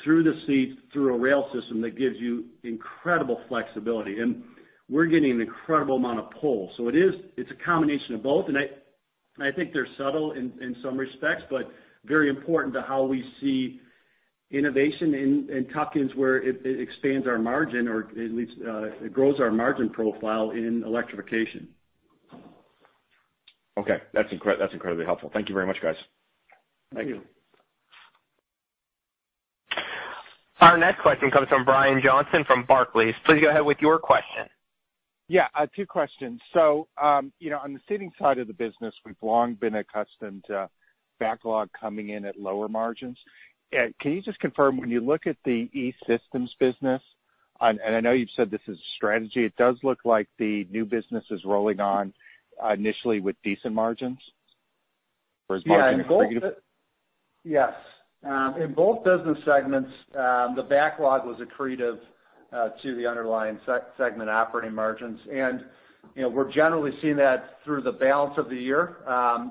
Speaker 3: through the seat, through a rail system that gives you incredible flexibility, and we're getting an incredible amount of pull. It's a combination of both, and I think they're subtle in some respects, but very important to how we see innovation and tuck-ins where it expands our margin, or at least it grows our margin profile in electrification.
Speaker 9: Okay. That's incredibly helpful. Thank you very much, guys.
Speaker 3: Thank you.
Speaker 1: Our next question comes from Brian Johnson from Barclays. Please go ahead with your question.
Speaker 10: Yeah. Two questions. On the Seating side of the business, we've long been accustomed to backlog coming in at lower margins. Can you just confirm, when you look at the E-Systems business, and I know you've said this is a strategy, it does look like the new business is rolling on initially with decent margins? Or is margin accretive?
Speaker 4: Yes. In both business segments, the backlog was accretive to the underlying segment operating margins. We're generally seeing that through the balance of the year.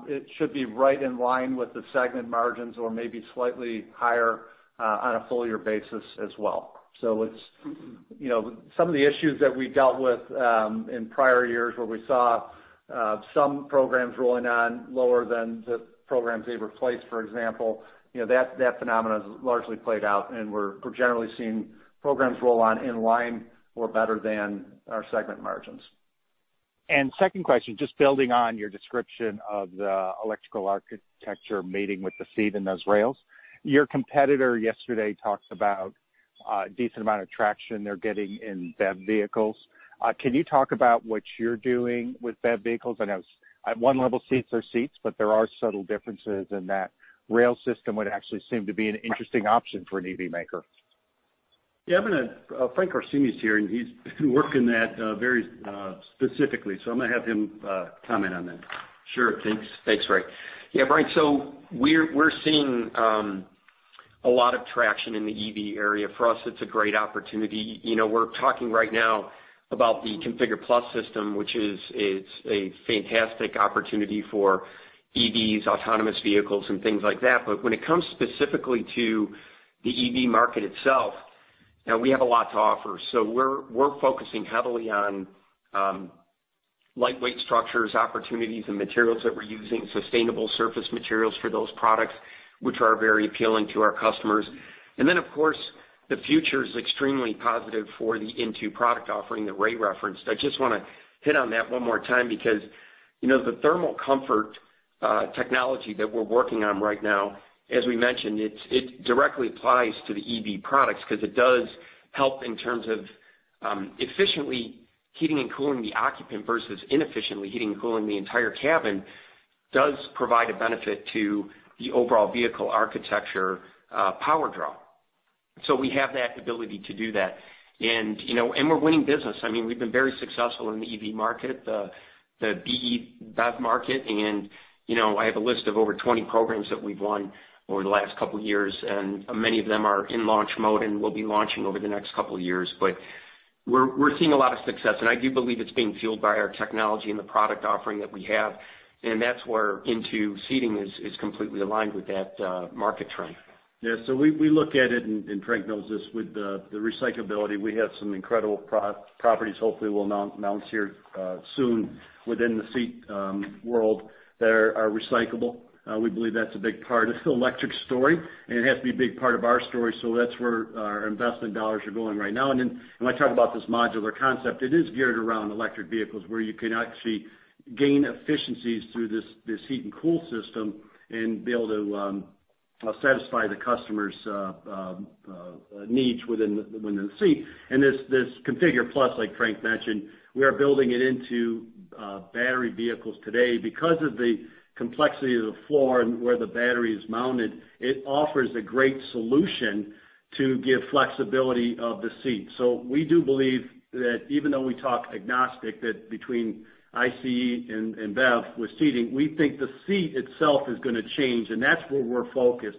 Speaker 4: It should be right in line with the segment margins or maybe slightly higher on a full year basis as well. Some of the issues that we dealt with in prior years where we saw some programs rolling on lower than the programs they replaced, for example, that phenomenon has largely played out, and we're generally seeing programs roll on in line or better than our segment margins.
Speaker 10: Second question, just building on your description of the electrical architecture mating with the seat and those rails. Your competitor yesterday talked about a decent amount of traction they're getting in BEV vehicles. Can you talk about what you're doing with BEV vehicles? I know at one level, seats are seats, but there are subtle differences in that rail system would actually seem to be an interesting option for an EV maker.
Speaker 3: Yeah. Frank Orsini is here, and he's been working that very specifically, so I'm going to have him comment on that.
Speaker 11: Sure. Thanks, Ray. Yeah, Brian, we're seeing a lot of traction in the EV area. For us, it's a great opportunity. We're talking right now about the ConfigurE+ system, which is a fantastic opportunity for EVs, autonomous vehicles, and things like that. When it comes specifically to the EV market itself, we have a lot to offer. We're focusing heavily on lightweight structures, opportunities and materials that we're using, sustainable surface materials for those products, which are very appealing to our customers. Of course, the future is extremely positive for the INTU product offering that Ray referenced. I just want to hit on that one more time, because the thermal comfort technology that we're working on right now, as we mentioned, it directly applies to the EV products because it does help in terms of efficiently heating and cooling the occupant versus inefficiently heating and cooling the entire cabin does provide a benefit to the overall vehicle architecture power draw. We have that ability to do that. We're winning business. We've been very successful in the EV market, the BEV market, and I have a list of over 20 programs that we've won over the last couple of years, and many of them are in launch mode and will be launching over the next couple of years. We're seeing a lot of success, and I do believe it's being fueled by our technology and the product offering that we have, and that's where INTU Seating is completely aligned with that market trend.
Speaker 3: Yeah. We look at it, and Frank knows this, with the recyclability. We have some incredible properties hopefully we'll announce here soon within the seat world that are recyclable. We believe that's a big part of the electric story, and it has to be a big part of our story. That's where our investment dollars are going right now. When I talk about this modular concept, it is geared around electric vehicles where you can actually gain efficiencies through this heat and cool system and be able to satisfy the customer's needs within the seat. This ConfigurE+, like Frank mentioned, we are building it into battery vehicles today. Because of the complexity of the floor and where the battery is mounted, it offers a great solution to give flexibility of the seat. We do believe that even though we talk agnostic, that between ICE and BEV with Seating, we think the seat itself is going to change, and that's where we're focused.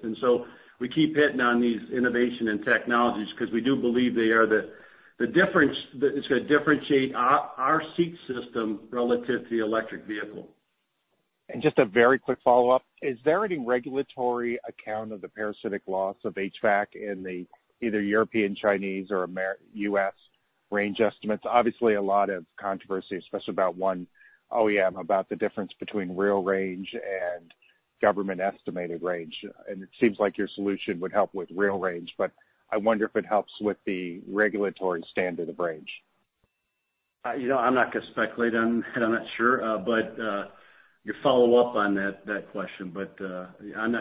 Speaker 3: We keep hitting on these innovation and technologies because we do believe they are the difference that is going to differentiate our seat system relative to the electric vehicle.
Speaker 10: Just a very quick follow-up. Is there any regulatory account of the parasitic loss of HVAC in the either European, Chinese or U.S. range estimates? Obviously, a lot of controversy, especially about one OEM, about the difference between real range and government-estimated range. It seems like your solution would help with real range, but I wonder if it helps with the regulatory standard of range.
Speaker 3: I'm not going to speculate on that. I'm not sure. Your follow-up on that question, but I'm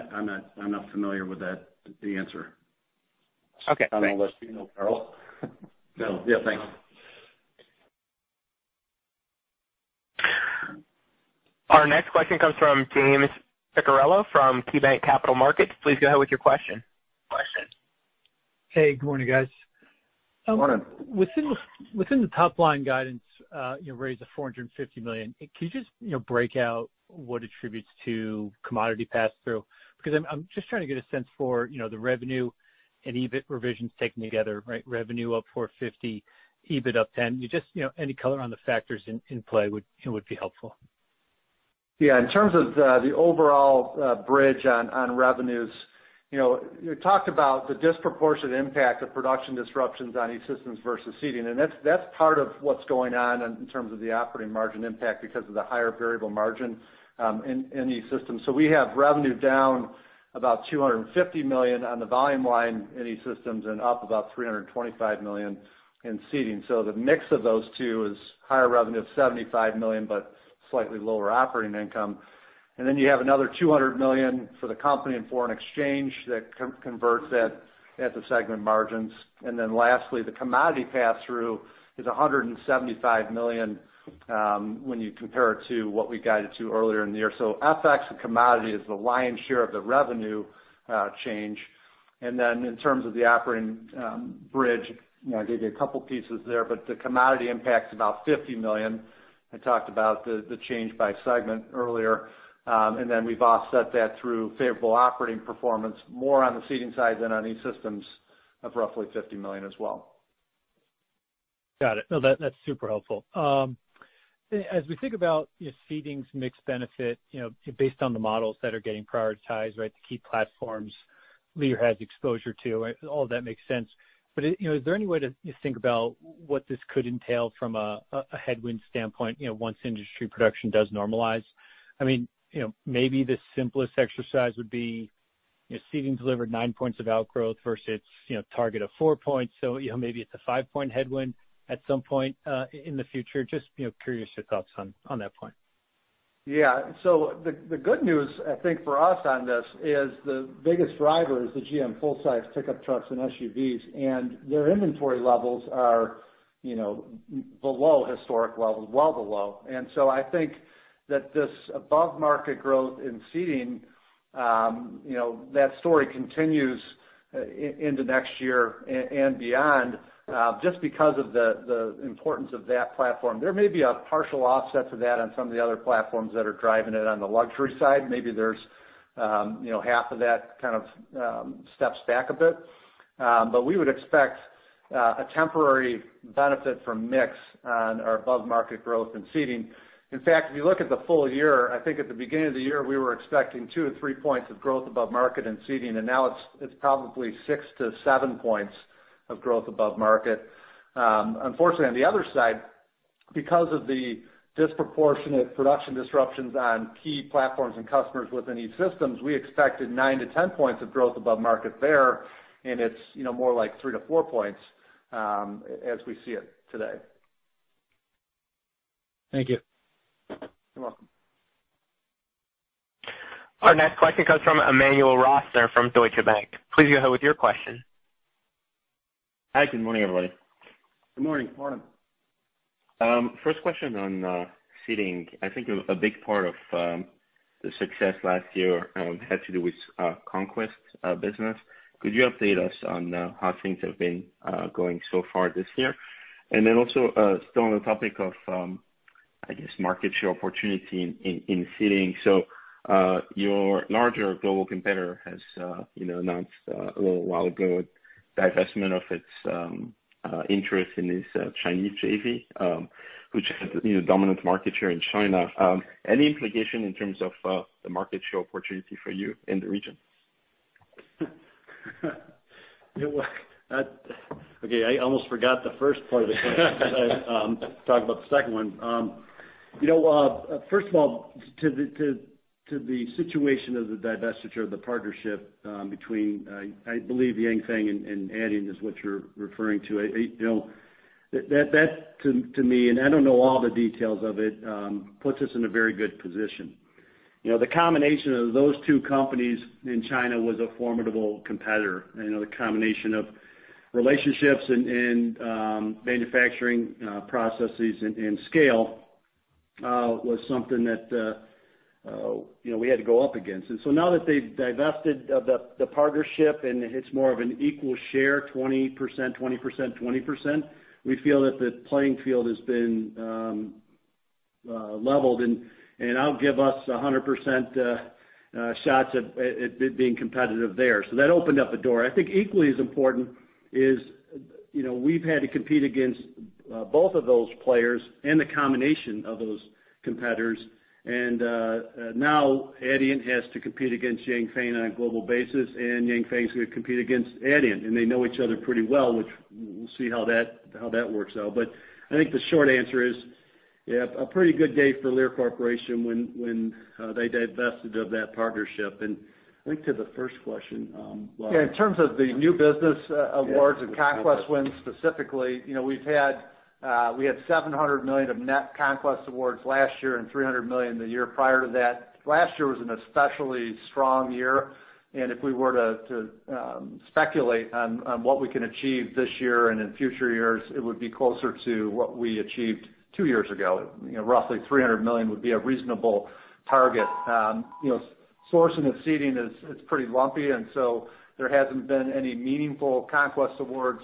Speaker 3: not familiar with that, the answer.
Speaker 10: Okay. Thanks.
Speaker 3: I don't know unless you know. No. Yeah, thanks.
Speaker 1: Our next question comes from James Picariello from KeyBanc Capital Markets. Please go ahead with your question.
Speaker 12: Hey, good morning, guys.
Speaker 3: Good morning.
Speaker 12: Within the top line guidance, you raised the $450 million. Can you just break out what attributes to commodity pass through? I'm just trying to get a sense for the revenue and EBIT revisions taken together. Revenue up $450, EBIT up $10. Just any color on the factors in play would be helpful.
Speaker 4: Yeah. In terms of the overall bridge on revenues, you talked about the disproportionate impact of production disruptions on E-Systems versus Seating, and that's part of what's going on in terms of the operating margin impact because of the higher variable margin in E-Systems. We have revenue down about $250 million on the volume line in E-Systems and up about $325 million in Seating. The mix of those two is higher revenue of $75 million, but slightly lower operating income. You have another $200 million for the company in foreign exchange that converts at the segment margins. Lastly, the commodity pass-through is $175 million when you compare it to what we guided to earlier in the year. FX and commodity is the lion's share of the revenue change. In terms of the operating bridge, I gave you a couple pieces there, but the commodity impact's about $50 million. I talked about the change by segment earlier. We've offset that through favorable operating performance more on the Seating side than on E-Systems of roughly $50 million as well.
Speaker 12: Got it. No, that's super helpful. As we think about Seating's mix benefit based on the models that are getting prioritized, the key platforms Lear has exposure to, all that makes sense. Is there any way to think about what this could entail from a headwind standpoint once industry production does normalize? Maybe the simplest exercise would be Seating delivered nine points of outgrowth versus target of four points. Maybe it's a five point headwind at some point in the future. Just curious your thoughts on that point.
Speaker 4: Yeah. The good news, I think, for us on this is the biggest driver is the GM full-size pickup trucks and SUVs, and their inventory levels are below historic levels, well below. I think that this above-market growth in Seating, that story continues into next year and beyond, just because of the importance of that platform. There may be a partial offset to that on some of the other platforms that are driving it on the luxury side. Maybe there's half of that kind of steps back a bit. We would expect a temporary benefit from mix on our above-market growth in Seating. In fact, if you look at the full year, I think at the beginning of the year, we were expecting two-three points of growth above market in Seating, and now it's probably six-seven points of growth above market. Unfortunately, on the other side, because of the disproportionate production disruptions on key platforms and customers within E-Systems, we expected nine to 10 points of growth above market there, and it's more like three to four points as we see it today.
Speaker 12: Thank you.
Speaker 4: You're welcome.
Speaker 1: Our next question comes from Emmanuel Rosner from Deutsche Bank. Please go ahead with your question.
Speaker 13: Hi, good morning, everybody.
Speaker 3: Good morning.
Speaker 4: Morning.
Speaker 13: First question on Seating. I think a big part of the success last year had to do with conquest business. Could you update us on how things have been going so far this year? Also, still on the topic of, I guess, market share opportunity in Seating. Your larger global competitor has announced a little while ago divestment of its interest in this Chinese JV, which has dominant market share in China. Any implication in terms of the market share opportunity for you in the region?
Speaker 3: Okay, I almost forgot the first part of the question. Talked about the second one. First of all, to the situation of the divestiture of the partnership between, I believe Yanfeng and Adient is what you're referring to. That to me, and I don't know all the details of it, puts us in a very good position. The combination of those two companies in China was a formidable competitor. The combination of relationships and manufacturing processes and scale was something that we had to go up against. Now that they've divested the partnership and it's more of an equal share, 20%, 20%, 20%, we feel that the playing field has been leveled, and that'll give us 100% shots at being competitive there. That opened up the door. I think equally as important is we've had to compete against both of those players and the combination of those competitors. Now Adient has to compete against Yanfeng on a global basis, and Yanfeng's going to compete against Adient, and they know each other pretty well, which we'll see how that works out. I think the short answer is, yeah, a pretty good day for Lear Corporation when they divested of that partnership.
Speaker 4: Yeah, in terms of the new business awards and conquest wins specifically, we had $700 million of net conquest awards last year and $300 million the year prior to that. Last year was an especially strong year, and if we were to speculate on what we can achieve this year and in future years, it would be closer to what we achieved two years ago. Roughly $300 million would be a reasonable target. Sourcing of Seating is pretty lumpy, and so there hasn't been any meaningful conquest awards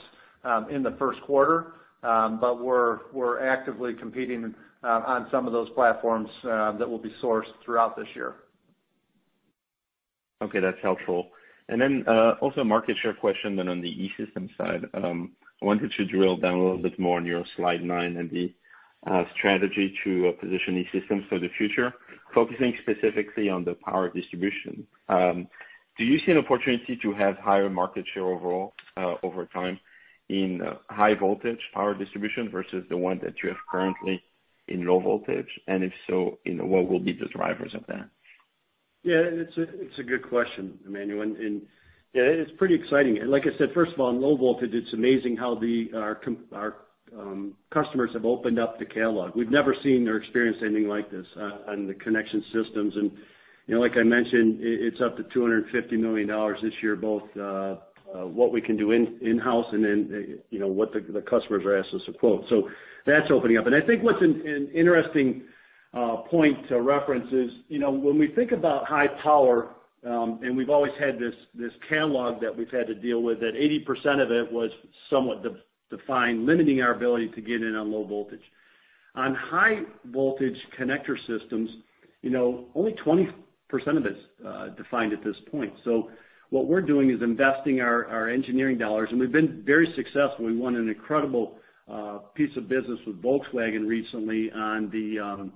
Speaker 4: in the first quarter. We're actively competing on some of those platforms that will be sourced throughout this year.
Speaker 13: Okay, that's helpful. Then also a market share question then on the E-Systems side. I wanted to drill down a little bit more on your slide nine and the strategy to position E-Systems for the future, focusing specifically on the power distribution. Do you see an opportunity to have higher market share overall over time in high voltage power distribution versus the one that you have currently in low voltage? If so, what will be the drivers of that?
Speaker 3: Yeah, it's a good question, Emmanuel. It's pretty exciting. Like I said, first of all, on low voltage, it's amazing how our customers have opened up the catalog. We've never seen or experienced anything like this on the connection systems. Like I mentioned, it's up to $250 million this year, both what we can do in-house and then what the customers are asking us to quote. That's opening up. I think what's an interesting point to reference is when we think about high power, and we've always had this catalog that we've had to deal with that 80% of it was somewhat defined, limiting our ability to get in on low voltage. On high voltage connector systems, only 20% of it is defined at this point. What we're doing is investing our engineering dollars, and we've been very successful. We won an incredible piece of business with Volkswagen recently on the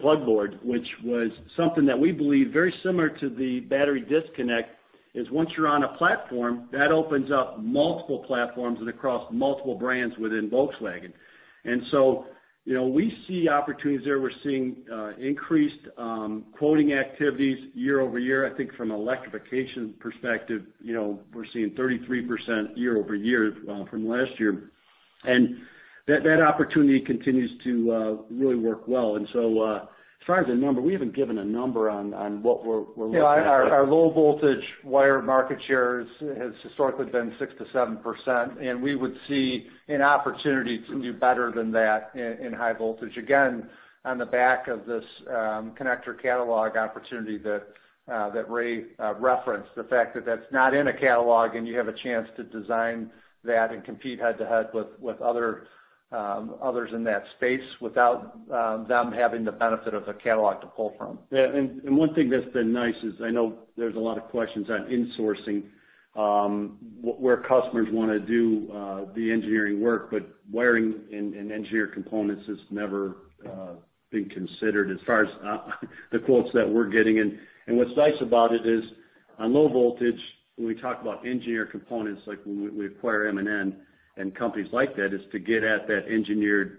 Speaker 3: plugboard which was something that we believe very similar to the Battery Disconnect, is once you're on a platform, that opens up multiple platforms and across multiple brands within Volkswagen. We see opportunities there. We're seeing increased quoting activities year-over-year. I think from an electrification perspective, we're seeing 33% year-over-year from last year. That opportunity continues to really work well. Trying to remember, we haven't given a number on what we're looking at.
Speaker 4: Yeah. Our low voltage wire market share has historically been 6%-7%, and we would see an opportunity to do better than that in high voltage. Again, on the back of this connector catalog opportunity that Ray referenced. The fact that that's not in a catalog and you have a chance to design that and compete head to head with others in that space without them having the benefit of the catalog to pull from.
Speaker 3: Yeah. One thing that's been nice is, I know there's a lot of questions on insourcing, where customers want to do the engineering work, but wiring and engineered components has never been considered as far as the quotes that we're getting. What's nice about it is, on low voltage, when we talk about engineered components, like when we acquire M&N and companies like that, is to get at that engineered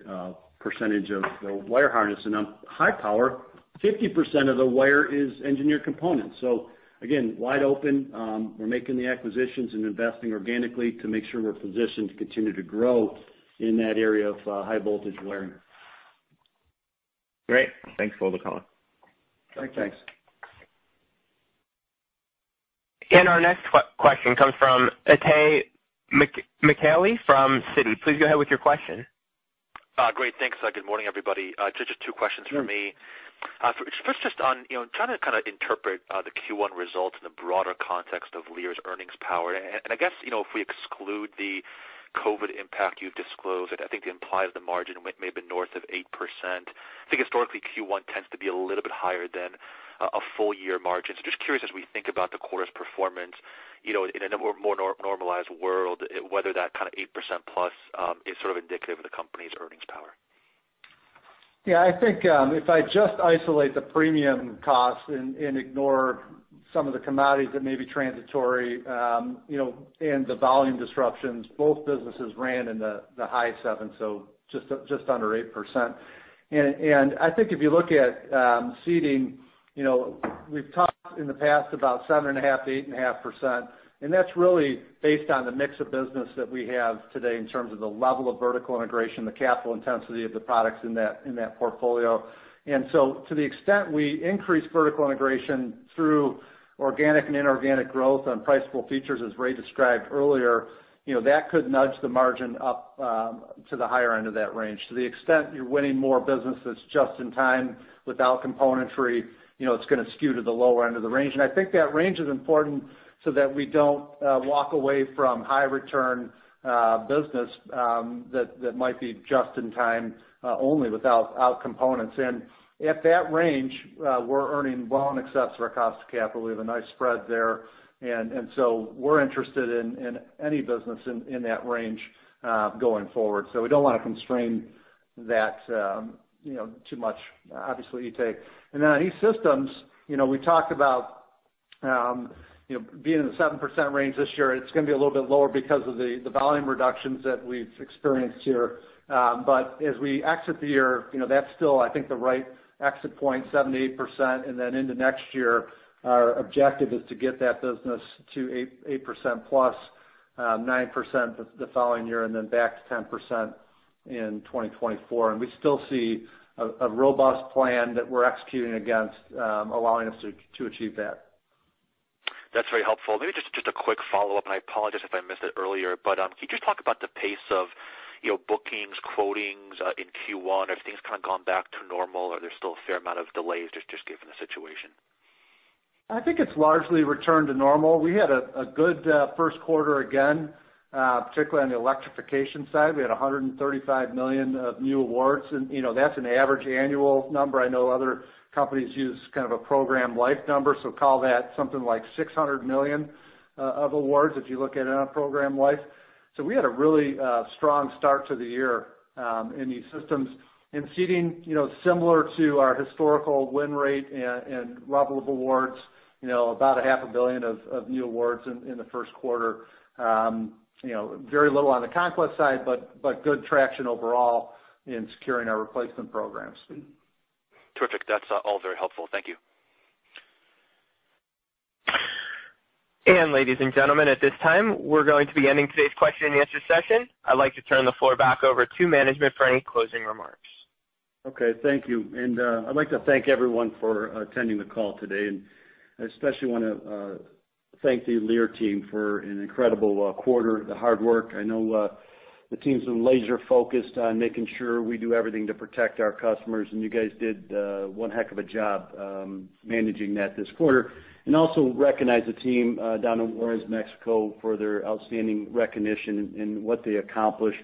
Speaker 3: percentage of the wire harness. On high power, 50% of the wire is engineered components. Again, wide open. We're making the acquisitions and investing organically to make sure we're positioned to continue to grow in that area of high voltage wiring.
Speaker 13: Great. Thanks for the call.
Speaker 4: Thanks.
Speaker 3: Thanks.
Speaker 1: Our next question comes from Itay Michaeli from Citi. Please go ahead with your question.
Speaker 14: Great. Thanks. Good morning, everybody. Just two questions from me. First, just on trying to kind of interpret the Q1 results in the broader context of Lear's earnings power. I guess if we exclude the COVID impact you've disclosed, I think the implied op margin may have been north of 8%. I think historically, Q1 tends to be a little bit higher than a full year margin. Just curious as we think about the quarter's performance, in a more normalized world, whether that kind of 8% plus is sort of indicative of the company's earnings power.
Speaker 4: Yeah, I think, if I just isolate the premium cost and ignore some of the commodities that may be transitory, and the volume disruptions, both businesses ran in the high 7%, so just under 8%. I think if you look at Seating, we've talked in the past about 7.5%-8.5%, and that's really based on the mix of business that we have today in terms of the level of vertical integration, the capital intensity of the products in that portfolio. To the extent we increase vertical integration through organic and inorganic growth on priceable features, as Ray described earlier, that could nudge the margin up to the higher end of that range. To the extent you're winning more businesses just in time without componentry, it's going to skew to the lower end of the range. I think that range is important so that we don't walk away from high return business that might be just in time only without components in. At that range, we're earning well in excess of our cost of capital. We have a nice spread there, we're interested in any business in that range, going forward. We don't want to constrain that too much, obviously, Itay. On E-Systems, we talked about being in the 7% range this year. It's going to be a little bit lower because of the volume reductions that we've experienced here. As we exit the year, that's still, I think, the right exit point, 7%-8%. Into next year, our objective is to get that business to 8%+, 9% the following year, and then back to 10% in 2024. We still see a robust plan that we're executing against, allowing us to achieve that.
Speaker 14: That's very helpful. Just a quick follow-up, I apologize if I missed it earlier, can you just talk about the pace of bookings, quotings, in Q1? Everything's kind of gone back to normal or there's still a fair amount of delays just given the situation.
Speaker 4: I think it's largely returned to normal. We had a good first quarter again, particularly on the electrification side. We had $135 million of new awards, that's an average annual number. I know other companies use kind of a program life number. Call that something like $600 million of awards if you look at it on a program life. We had a really strong start to the year, in E-Systems. In Seating, similar to our historical win rate and level of awards, about a half a billion of new awards in the first quarter. Very little on the conquest side, good traction overall in securing our replacement programs.
Speaker 14: Terrific. That's all very helpful. Thank you.
Speaker 1: Ladies and gentlemen, at this time, we're going to be ending today's question and answer session. I'd like to turn the floor back over to management for any closing remarks.
Speaker 3: Okay. Thank you. I'd like to thank everyone for attending the call today, and I especially want to thank the Lear team for an incredible quarter, the hard work. I know the team's been laser focused on making sure we do everything to protect our customers, and you guys did one heck of a job managing that this quarter. Also recognize the team down in Juarez, Mexico for their outstanding recognition and what they accomplished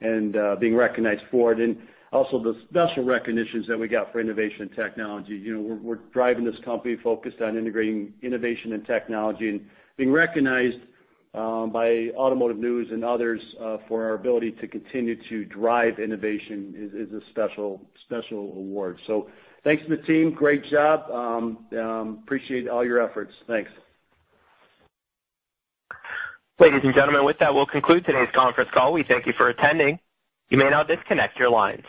Speaker 3: and being recognized for it, and also the special recognitions that we got for innovation and technology. We're driving this company focused on integrating innovation and technology and being recognized by Automotive News and others, for our ability to continue to drive innovation is a special award. Thanks to the team. Great job. Appreciate all your efforts. Thanks.
Speaker 1: Ladies and gentlemen, with that, we'll conclude today's conference call. We thank you for attending. You may now disconnect your lines.